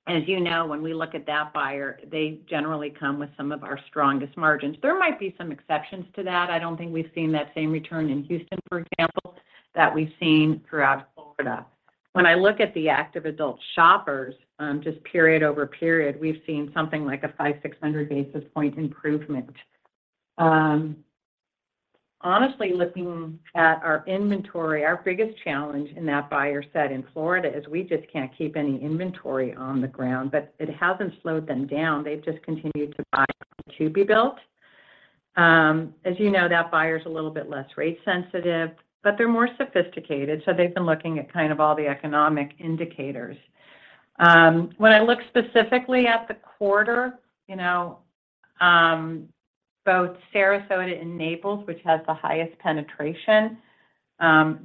As you know, when we look at that buyer, they generally come with some of our strongest margins. There might be some exceptions to that. I don't think we've seen that same return in Houston, for example, that we've seen throughout Florida. When I look at the active adult shoppers, just period over period, we've seen something like a 5, 600 basis point improvement. Honestly, looking at our inventory, our biggest challenge in that buyer set in Florida is we just can't keep any inventory on the ground. It hasn't slowed them down. They've just continued to buy to-be built. As you know, that buyer's a little bit less rate sensitive, but they're more sophisticated, so they've been looking at kind of all the economic indicators. When I look specifically at the quarter, you know, both Sarasota and Naples, which has the highest penetration,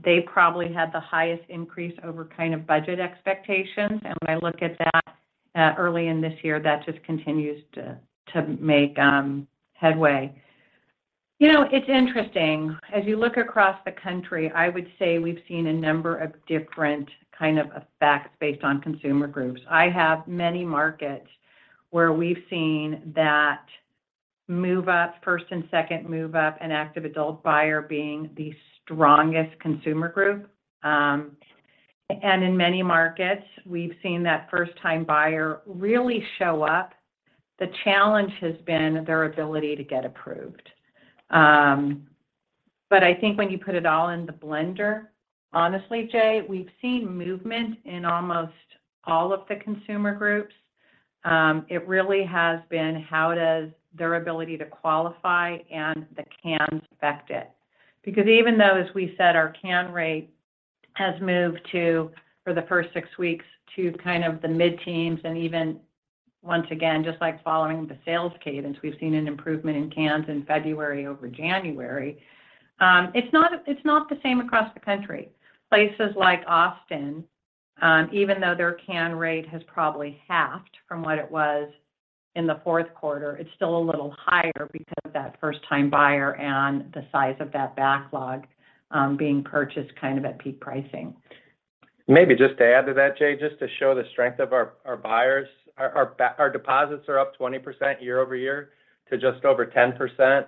they probably had the highest increase over kind of budget expectations. When I look at that, early in this year, that just continues to make headway. You know, it's interesting. As you look across the country, I would say we've seen a number of different kind of effects based on consumer groups. I have many markets where we've seen that move-up, first and second move-up and active adult buyer being the strongest consumer group. In many markets, we've seen that first time buyer really show up. The challenge has been their ability to get approved. I think when you put it all in the blender, honestly, Jay, we've seen movement in almost all of the consumer groups. It really has been how does their ability to qualify and the CANs affect it. Even though, as we said, our CAN rate has moved to, for the first 6 weeks, to kind of the mid-teens and even once again, just like following the sales cadence, we've seen an improvement in CANs in February over January, it's not, it's not the same across the country. Places like Austin, even though their CAN rate has probably halved from what it was in the fourth quarter, it's still a little higher because of that first time buyer and the size of that backlog, being purchased kind of at peak pricing. Maybe just to add to that, Jay, just to show the strength of our buyers. Our deposits are up 20% year-over-year to just over 10%.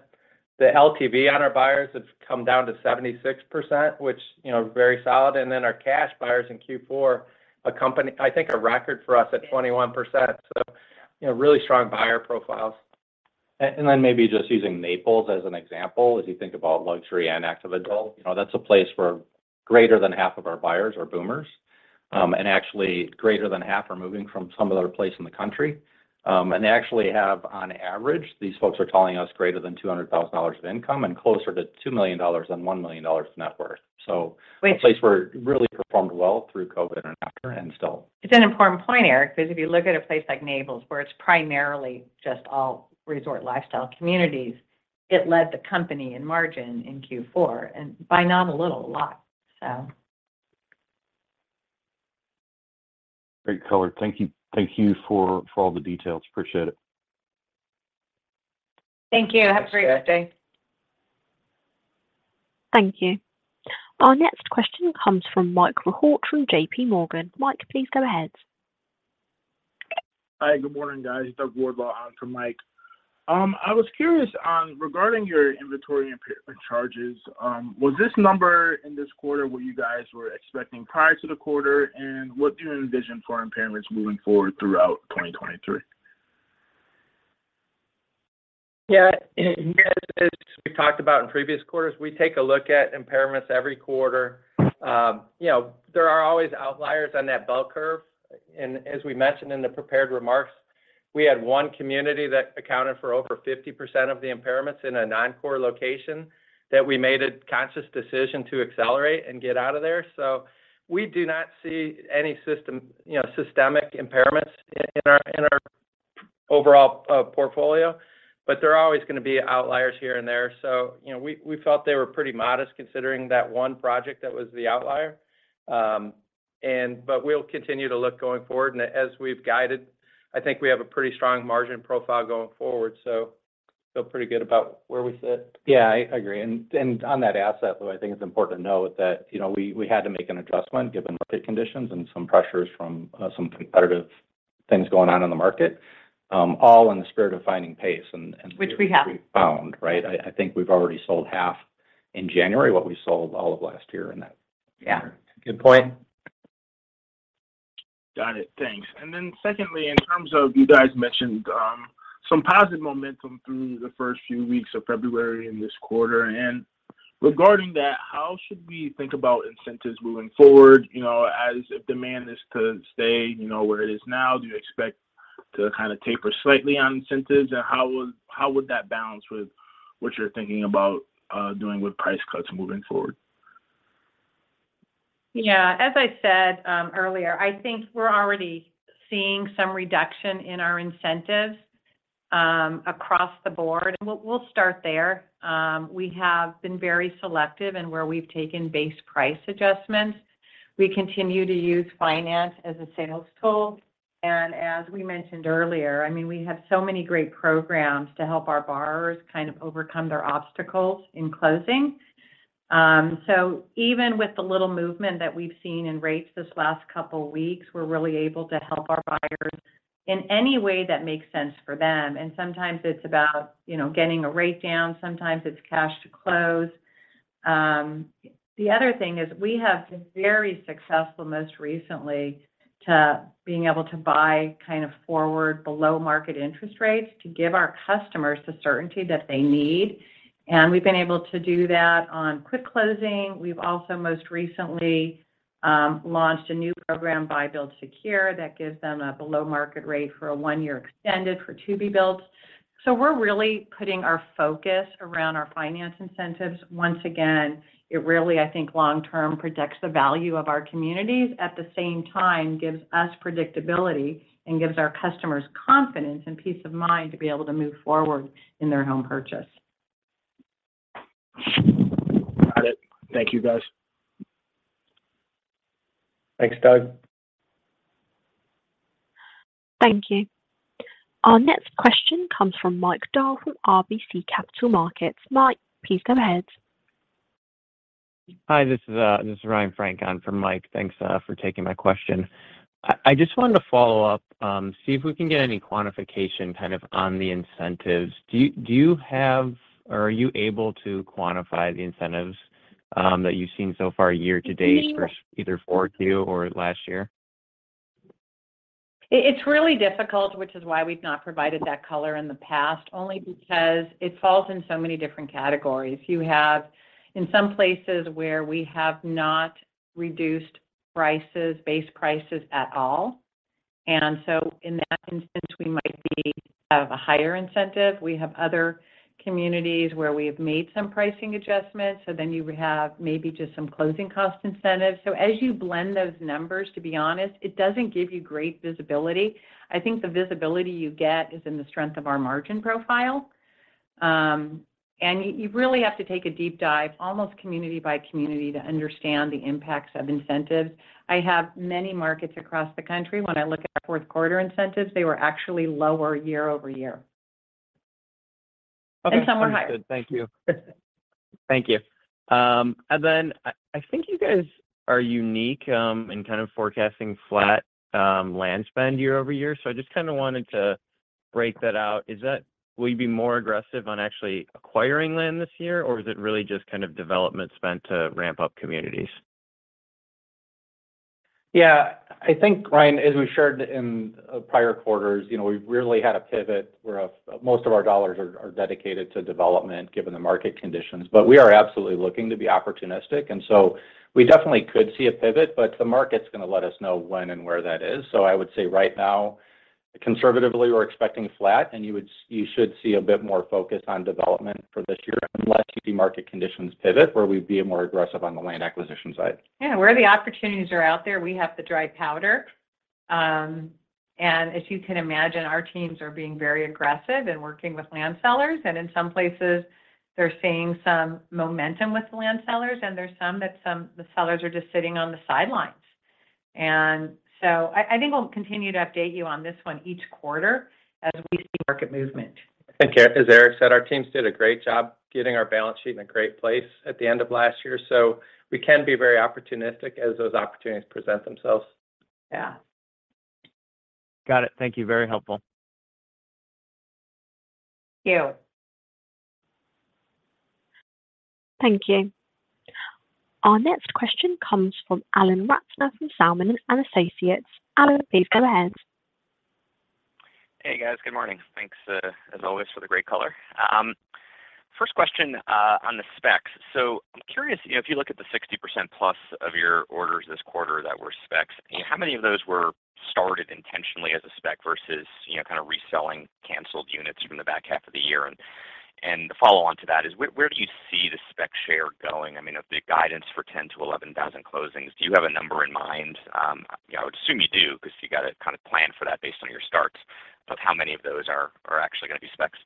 The LTV on our buyers has come down to 76%, which, you know, very solid. Our cash buyers in Q4, I think a record for us at 21%. You know, really strong buyer profiles. Then maybe just using Naples as an example, as you think about luxury and active adult. You know, that's a place where greater than half of our buyers are boomers, and actually greater than half are moving from some other place in the country. They actually have, on average, these folks are telling us greater than $200,000 of income and closer to $2 million than $1 million net worth. A place where it really performed well through COVID and after and still. It's an important point, Eric, because if you look at a place like Naples where it's primarily just all resort lifestyle communities, it led the company in margin in Q4, and by not a little, a lot. Great color. Thank you. Thank you for all the details. Appreciate it. Thank you. Have a great day. Thanks, guys. Thank you. Our next question comes from Michael Rehaut from JPMorgan. Mike, please go ahead. Hi. Good morning, guys. Doug Wardlaw on for Mike. I was curious on regarding your inventory impairment charges, was this number in this quarter what you guys were expecting prior to the quarter? What do you envision for impairments moving forward throughout 2023? As we've talked about in previous quarters, we take a look at impairments every quarter. You know, there are always outliers on that bell curve. As we mentioned in the prepared remarks, we had one community that accounted for over 50% of the impairments in a non-core location that we made a conscious decision to accelerate and get out of there. We do not see any you know, systemic impairments in our overall portfolio, but there are always gonna be outliers here and there. You know, we felt they were pretty modest considering that one project that was the outlier. We'll continue to look going forward. As we've guided, I think we have a pretty strong margin profile going forward, so feel pretty good about where we sit. Yeah, I agree. On that asset, though, I think it's important to note that, you know, we had to make an adjustment given market conditions and some pressures from some competitive things going on in the market, all in the spirit of finding pace. Which we have.... which we found, right? I think we've already sold half in January what we sold all of last year in that quarter. Yeah. Good point. Got it. Thanks. Secondly, in terms of you guys mentioned, some positive momentum through the first few weeks of February and this quarter, regarding that, how should we think about incentives moving forward? You know, as if demand is to stay, you know, where it is now, do you expect to kind of taper slightly on incentives? How would that balance with what you're thinking about, doing with price cuts moving forward? Yeah. As I said earlier, I think we're already seeing some reduction in our incentives across the board. We'll start there. We have been very selective in where we've taken base price adjustments. We continue to use finance as a sales tool. As we mentioned earlier, I mean, we have so many great programs to help our borrowers kind of overcome their obstacles in closing. Even with the little movement that we've seen in rates this last couple weeks, we're really able to help our buyers in any way that makes sense for them. Sometimes it's about, you know, getting a rate down, sometimes it's cash to close. The other thing is we have been very successful most recently to being able to buy kind of forward below-market interest rates to give our customers the certainty that they need. We've been able to do that on quick closing. We've also most recently launched a new program, Buy Build Secure, that gives them a below-market rate for a 1-year extended for to-be-built. We're really putting our focus around our finance incentives. Once again, it really, I think, long-term, protects the value of our communities. At the same time, gives us predictability and gives our customers confidence and peace of mind to be able to move forward in their home purchase. Got it. Thank you, guys. Thanks, Doug. Thank you. Our next question comes from Mike Dahl from RBC Capital Markets. Mike, please go ahead. Hi, this is Ryan Frank for Mike. Thanks for taking my question. I just wanted to follow up, see if we can get any quantification kind of on the incentives. Do you have or are you able to quantify the incentives that you've seen so far year to date for either Q4 or last year? It's really difficult, which is why we've not provided that color in the past, only because it falls in so many different categories. You have, in some places where we have not reduced prices, base prices at all. In that instance, we might be of a higher incentive. We have other communities where we have made some pricing adjustments, you would have maybe just some closing cost incentives. As you blend those numbers, to be honest, it doesn't give you great visibility. I think the visibility you get is in the strength of our margin profile. You really have to take a deep dive, almost community by community to understand the impacts of incentives. I have many markets across the country. When I look at fourth quarter incentives, they were actually lower year-over-year. Okay. Some were higher. Understood. Thank you. Thank you. I think you guys are unique, in kind of forecasting flat, land spend year-over-year. I just kind of wanted to break that out. Will you be more aggressive on actually acquiring land this year, or is it really just kind of development spend to ramp up communities? Yeah. I think, Ryan, as we shared in prior quarters, you know, we've really had a pivot where most of our dollars are dedicated to development given the market conditions. We are absolutely looking to be opportunistic and so we definitely could see a pivot, but the market's gonna let us know when and where that is. I would say right now, conservatively, we're expecting flat, and you should see a bit more focus on development for this year, unless you see market conditions pivot, where we'd be more aggressive on the land acquisition side. Where the opportunities are out there, we have the dry powder. As you can imagine, our teams are being very aggressive in working with land sellers. In some places they're seeing some momentum with the land sellers and there's some, the sellers are just sitting on the sidelines. I think we'll continue to update you on this one each quarter as we see market movement. I think as Erik said, our teams did a great job getting our balance sheet in a great place at the end of last year. We can be very opportunistic as those opportunities present themselves. Yeah. Got it. Thank you. Very helpful. Thank you. Thank you. Our next question comes from Alan Ratner from Zelman & Associates. Alan, please go ahead. Hey, guys. Good morning. Thanks, as always for the great color. First question on the specs. I'm curious, you know, if you look at the 60% plus of your orders this quarter that were specs, how many of those were started intentionally as a spec versus, you know, kind of reselling canceled units from the back half of the year? The follow on to that is where do you see the spec share going? I mean, of the guidance for 10,000-11,000 closings, do you have a number in mind? You know, I would assume you do because you gotta kind of plan for that based on your starts of how many of those are actually gonna be specs.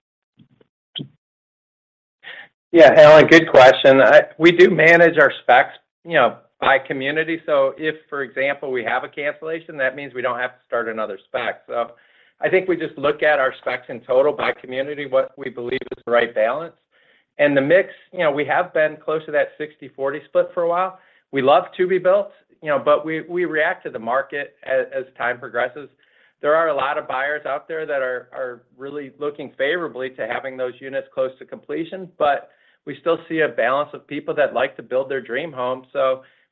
Yeah. Alan, good question. We do manage our specs, you know, by community. If, for example, we have a cancellation, that means we don't have to start another spec. I think we just look at our specs in total by community, what we believe is the right balance. The mix, you know, we have been close to that 60/40 split for a while. We love to-be builds, you know, but we react to the market as time progresses. There are a lot of buyers out there that are really looking favorably to having those units close to completion, but we still see a balance of people that like to build their dream home.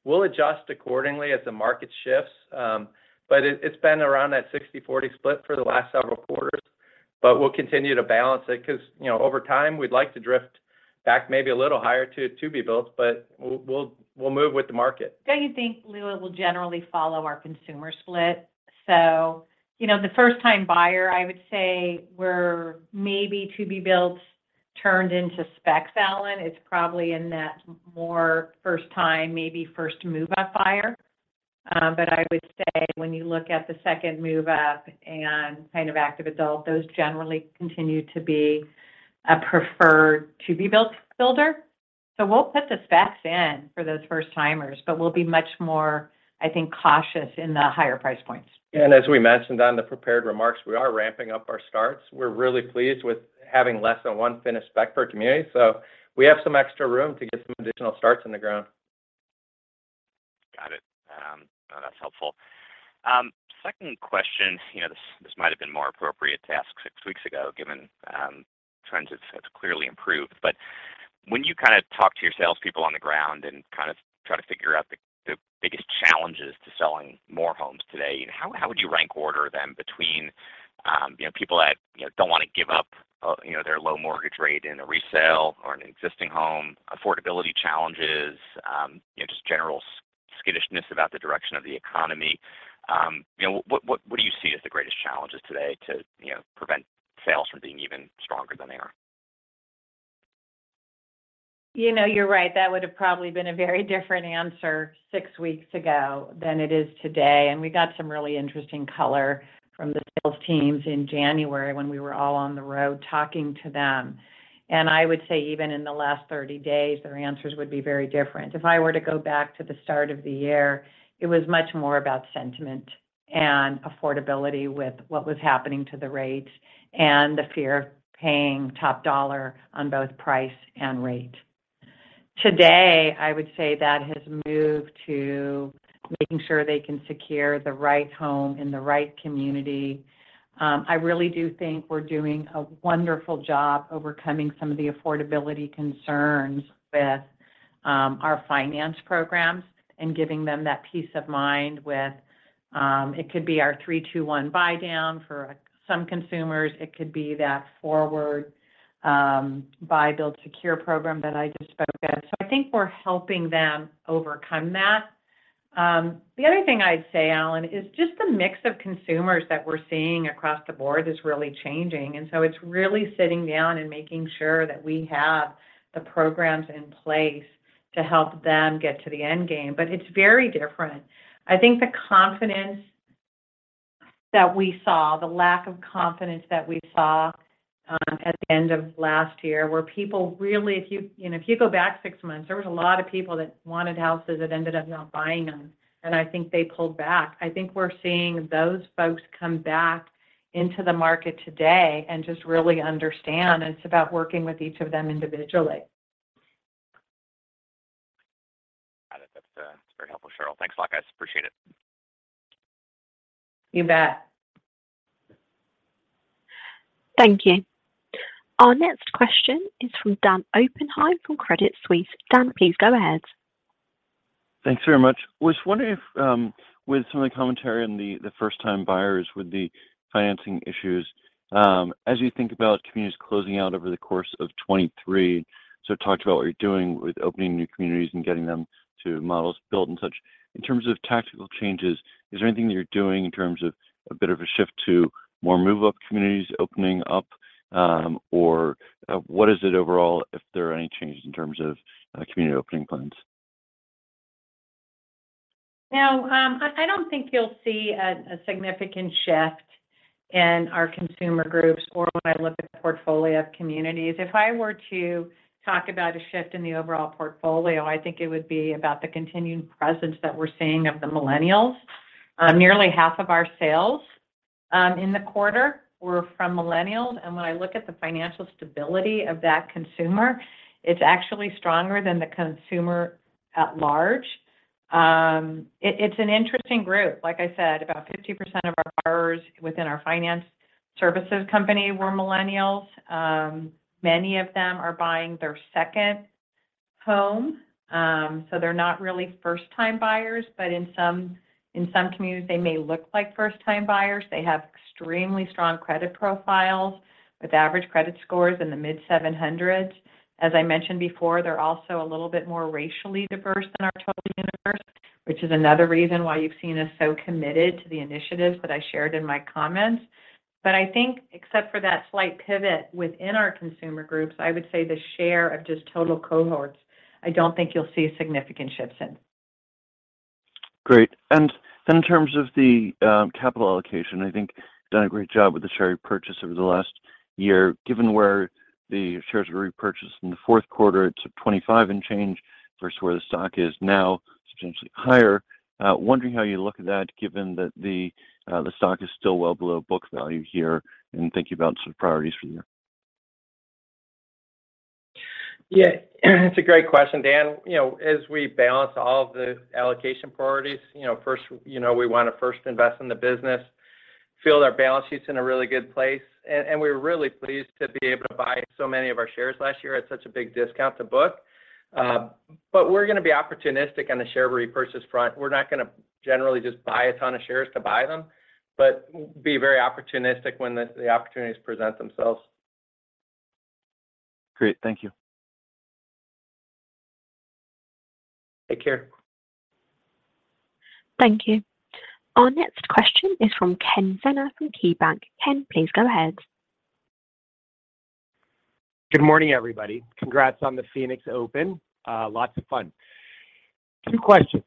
We'll adjust accordingly as the market shifts. But it's been around that 60/40 split for the last several quarters. We'll continue to balance it because, you know, over time we'd like to drift back maybe a little higher to to-be builds, but we'll move with the market. Don't you think, Lou, we'll generally follow our consumer split? You know, the first time buyer, I would say we're maybe to be builds turned into specs, Alan. It's probably in that more first time, maybe first move-up buyer. I would say when you look at the second move-up and kind of active adult, those generally continue to be a preferred to-be build builder. We'll put the specs in for those first timers, but we'll be much more, I think, cautious in the higher price points. As we mentioned on the prepared remarks, we are ramping up our starts. We're really pleased with having less than 1 finished spec per community, so we have some extra room to get some additional starts in the ground. Got it. That's helpful. Second question. You know, this might have been more appropriate to ask six weeks ago given trends have clearly improved. When you kind of talk to your salespeople on the ground and kind of try to figure out the biggest challenges to selling more homes today, how would you rank order them between, you know, people that, you know, don't wanna give up, you know, their low mortgage rate in a resale or an existing home, affordability challenges, you know, just general sc-... Skittishness about the direction of the economy. you know, what do you see as the greatest challenges today to, you know, prevent sales from being even stronger than they are? You know, you're right. That would have probably been a very different answer six weeks ago than it is today. We got some really interesting color from the sales teams in January when we were all on the road talking to them. I would say even in the last 30 days, their answers would be very different. If I were to go back to the start of the year, it was much more about sentiment and affordability with what was happening to the rates and the fear of paying top dollar on both price and rate. Today, I would say that has moved to making sure they can secure the right home in the right community. I really do think we're doing a wonderful job overcoming some of the affordability concerns with our finance programs and giving them that peace of mind with it could be our 3-2-1 buy down for some consumers, it could be that forward Buy Build Secure program that I just spoke of. I think we're helping them overcome that. The other thing I'd say, Alan, is just the mix of consumers that we're seeing across the board is really changing. It's really sitting down and making sure that we have the programs in place to help them get to the end game. It's very different. I think the confidence that we saw, the lack of confidence that we saw, at the end of last year, where people really, if you know, if you go back 6 months, there was a lot of people that wanted houses that ended up not buying them. I think they pulled back. I think we're seeing those folks come back into the market today and just really understand it's about working with each of them individually. Got it. That's very helpful, Sheryl. Thanks a lot, guys. Appreciate it. You bet. Thank you. Our next question is from Dan Oppenheim from Credit Suisse. Dan, please go ahead. Thanks very much. Was wondering if, with some of the commentary on the first time buyers with the financing issues, as you think about communities closing out over the course of 23, talked about what you're doing with opening new communities and getting them to models built and such. In terms of tactical changes, is there anything that you're doing in terms of a bit of a shift to more move-up communities opening up, or what is it overall if there are any changes in terms of community opening plans? I don't think you'll see a significant shift in our consumer groups or when I look at the portfolio of communities. If I were to talk about a shift in the overall portfolio, I think it would be about the continuing presence that we're seeing of the millennials. Nearly half of our sales in the quarter were from millennials. When I look at the financial stability of that consumer, it's actually stronger than the consumer at large. It, it's an interesting group. Like I said, about 50% of our borrowers within our finance services company were millennials. Many of them are buying their second home, so they're not really first-time buyers. In some, in some communities, they may look like first-time buyers. They have extremely strong credit profiles with average credit scores in the mid-700s. As I mentioned before, they're also a little bit more racially diverse than our total universe, which is another reason why you've seen us so committed to the initiatives that I shared in my comments. I think except for that slight pivot within our consumer groups, I would say the share of just total cohorts, I don't think you'll see significant shifts in. Great. In terms of the capital allocation, I think you've done a great job with the share repurchase over the last year. Given where the shares were repurchased in the fourth quarter to $25 and change versus where the stock is now, substantially higher, wondering how you look at that given that the stock is still well below book value here, and thinking about some priorities for the year. Yeah, it's a great question, Dan. You know, as we balance all of the allocation priorities, you know, first, you know, we wanna first invest in the business, feel our balance sheet's in a really good place. We're really pleased to be able to buy so many of our shares last year at such a big discount to book. We're gonna be opportunistic on the share repurchase front. We're not gonna generally just buy a ton of shares to buy them, but be very opportunistic when the opportunities present themselves. Great. Thank you. Take care. Thank you. Our next question is from Ken Zener from KeyBank. Ken, please go ahead. Good morning, everybody. Congrats on the Phoenix Open. Lots of fun. 2 questions.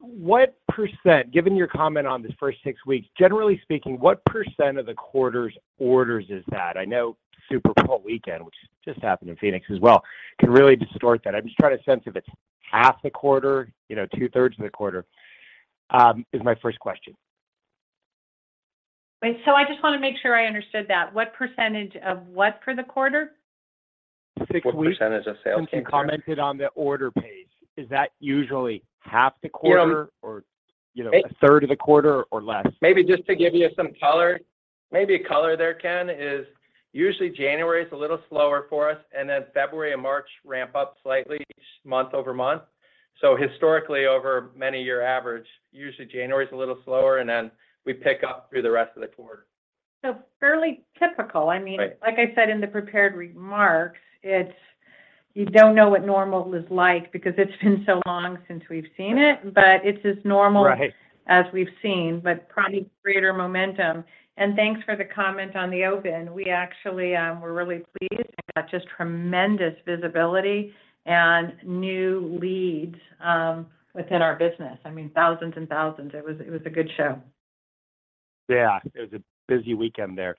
What %, given your comment on the first 6 weeks, generally speaking, what % of the quarter's orders is that? I know super cold weekend, which just happened in Phoenix as well, can really distort that. I'm just trying to sense if it's half the quarter, you know, two-thirds of the quarter, is my first question. I just wanna make sure I understood that. What % of what for the quarter? Six weeks Since you commented on the order pace, is that usually half the quarter or, you know, a third of the quarter or less? Maybe just to give you some color, maybe a color there, Ken, is usually January is a little slower for us, and then February and March ramp up slightly each month-over-month. Historically over many year average, usually January is a little slower, and then we pick up through the rest of the quarter. fairly typical. I mean- Right... like I said in the prepared remarks, it's, you don't know what normal is like because it's been so long since we've seen it. It's as normal- Right as we've seen, but probably greater momentum. Thanks for the comment on the Open. We actually, we're really pleased. It got just tremendous visibility and new leads, within our business. I mean, thousands and thousands. It was a good show. Yeah. It was a busy weekend there.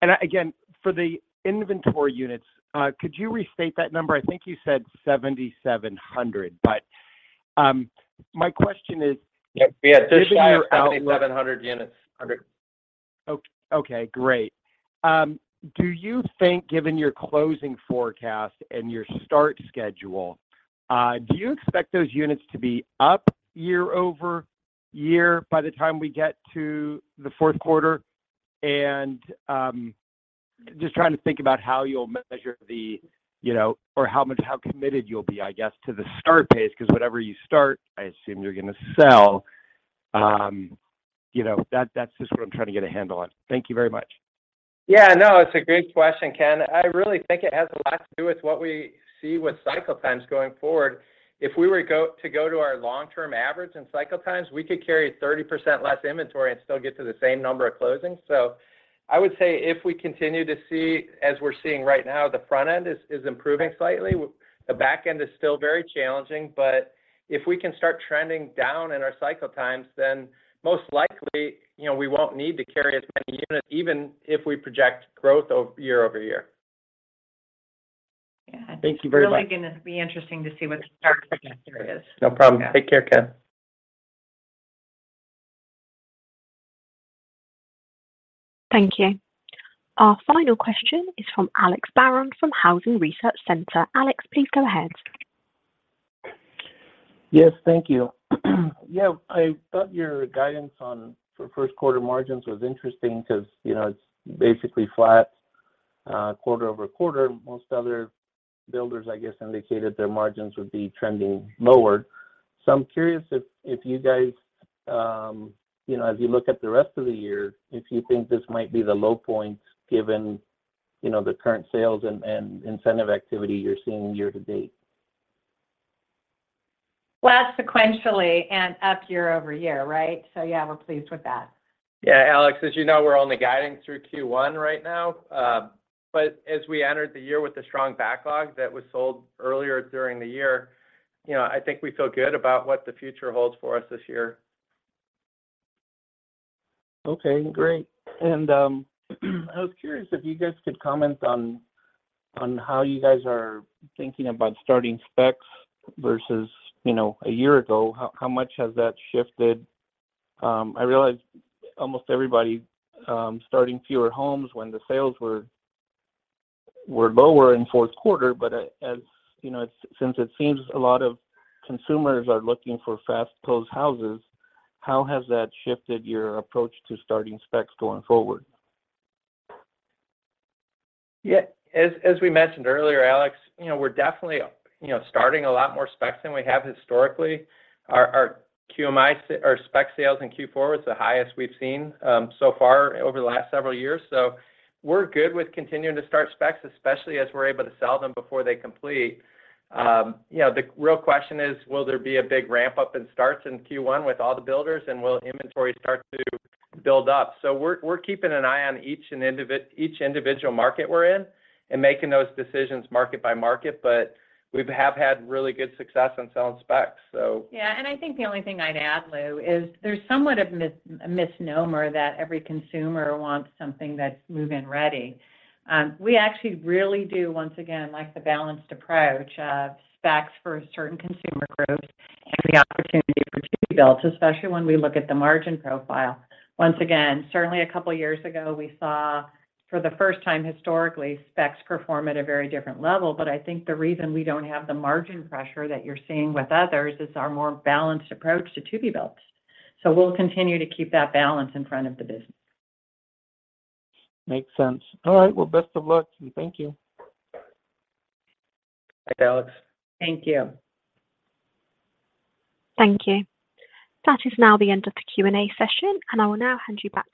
Again, for the inventory units, could you restate that number? I think you said 7,700, but my question is. Yeah, just shy of 7,700 units. Okay, great. Do you think given your closing forecast and your start schedule, do you expect those units to be up year-over-year by the time we get to the fourth quarter? Just trying to think about how you'll measure the, you know, or how much, how committed you'll be, I guess, to the start pace. 'Cause whatever you start, I assume you're gonna sell. You know, that's just what I'm trying to get a handle on. Thank you very much. Yeah. No, it's a great question, Ken. I really think it has a lot to do with what we see with cycle times going forward. If we were to go to our long-term average in cycle times, we could carry 30% less inventory and still get to the same number of closings. I would say if we continue to see, as we're seeing right now, the front end is improving slightly. The back end is still very challenging, but if we can start trending down in our cycle times, then most likely, you know, we won't need to carry as many units even if we project growth over, year-over-year. Thank you very much. It's really gonna be interesting to see what the start to the year is. No problem. Take care, Ken. Thank you. Our final question is from Alex Barron from Housing Research Center. Alex, please go ahead. Yes. Thank you. Yeah. I thought your guidance on, for first quarter margins was interesting 'cause, you know, it's basically flat, quarter-over-quarter. Most other builders, I guess, indicated their margins would be trending lower. I'm curious if you guys, you know, as you look at the rest of the year, if you think this might be the low point given, you know, the current sales and incentive activity you're seeing year-to-date? Well, that's sequentially and up year-over-year, right? Yeah, we're pleased with that. Yeah. Alex, as you know, we're only guiding through Q1 right now. As we entered the year with a strong backlog that was sold earlier during the year, you know, I think we feel good about what the future holds for us this year. Okay, great. I was curious if you guys could comment on how you guys are thinking about starting specs versus, you know, a year ago. How much has that shifted? I realize almost everybody starting fewer homes when the sales were lower in fourth quarter, but as you know, since it seems a lot of consumers are looking for fast closed houses, how has that shifted your approach to starting specs going forward? Yeah. As we mentioned earlier, Alex, you know, we're definitely, you know, starting a lot more specs than we have historically. Our QMI or spec sales in Q4 was the highest we've seen so far over the last several years. We're good with continuing to start specs, especially as we're able to sell them before they complete. You know, the real question is will there be a big ramp-up in starts in Q1 with all the builders, and will inventory start to build up? We're keeping an eye on each individual market we're in and making those decisions market by market, but we've had really good success on selling specs so. I think the only thing I'd add, Lou, is there's somewhat a misnomer that every consumer wants something that's move-in ready. We actually really do, once again, like the balanced approach of specs for certain consumer groups and the opportunity for to-be-built, especially when we look at the margin profile. Once again, certainly 2 years ago, we saw for the 1st time historically specs perform at a very different level. I think the reason we don't have the margin pressure that you're seeing with others is our more balanced approach to to-be-built. We'll continue to keep that balance in front of the business. Makes sense. All right. Well, best of luck, and thank you. Bye, Alex. Thank you. Thank you. That is now the end of the Q&A session, and I will now hand you back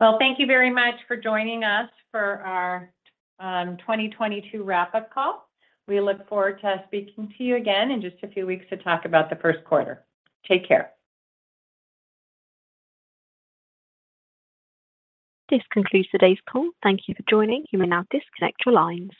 to Sheryl Palmer for closing remarks. Well, thank you very much for joining us for our 2022 wrap-up call. We look forward to speaking to you again in just a few weeks to talk about the first quarter. Take care. This concludes today's call. Thank you for joining. You may now disconnect your lines.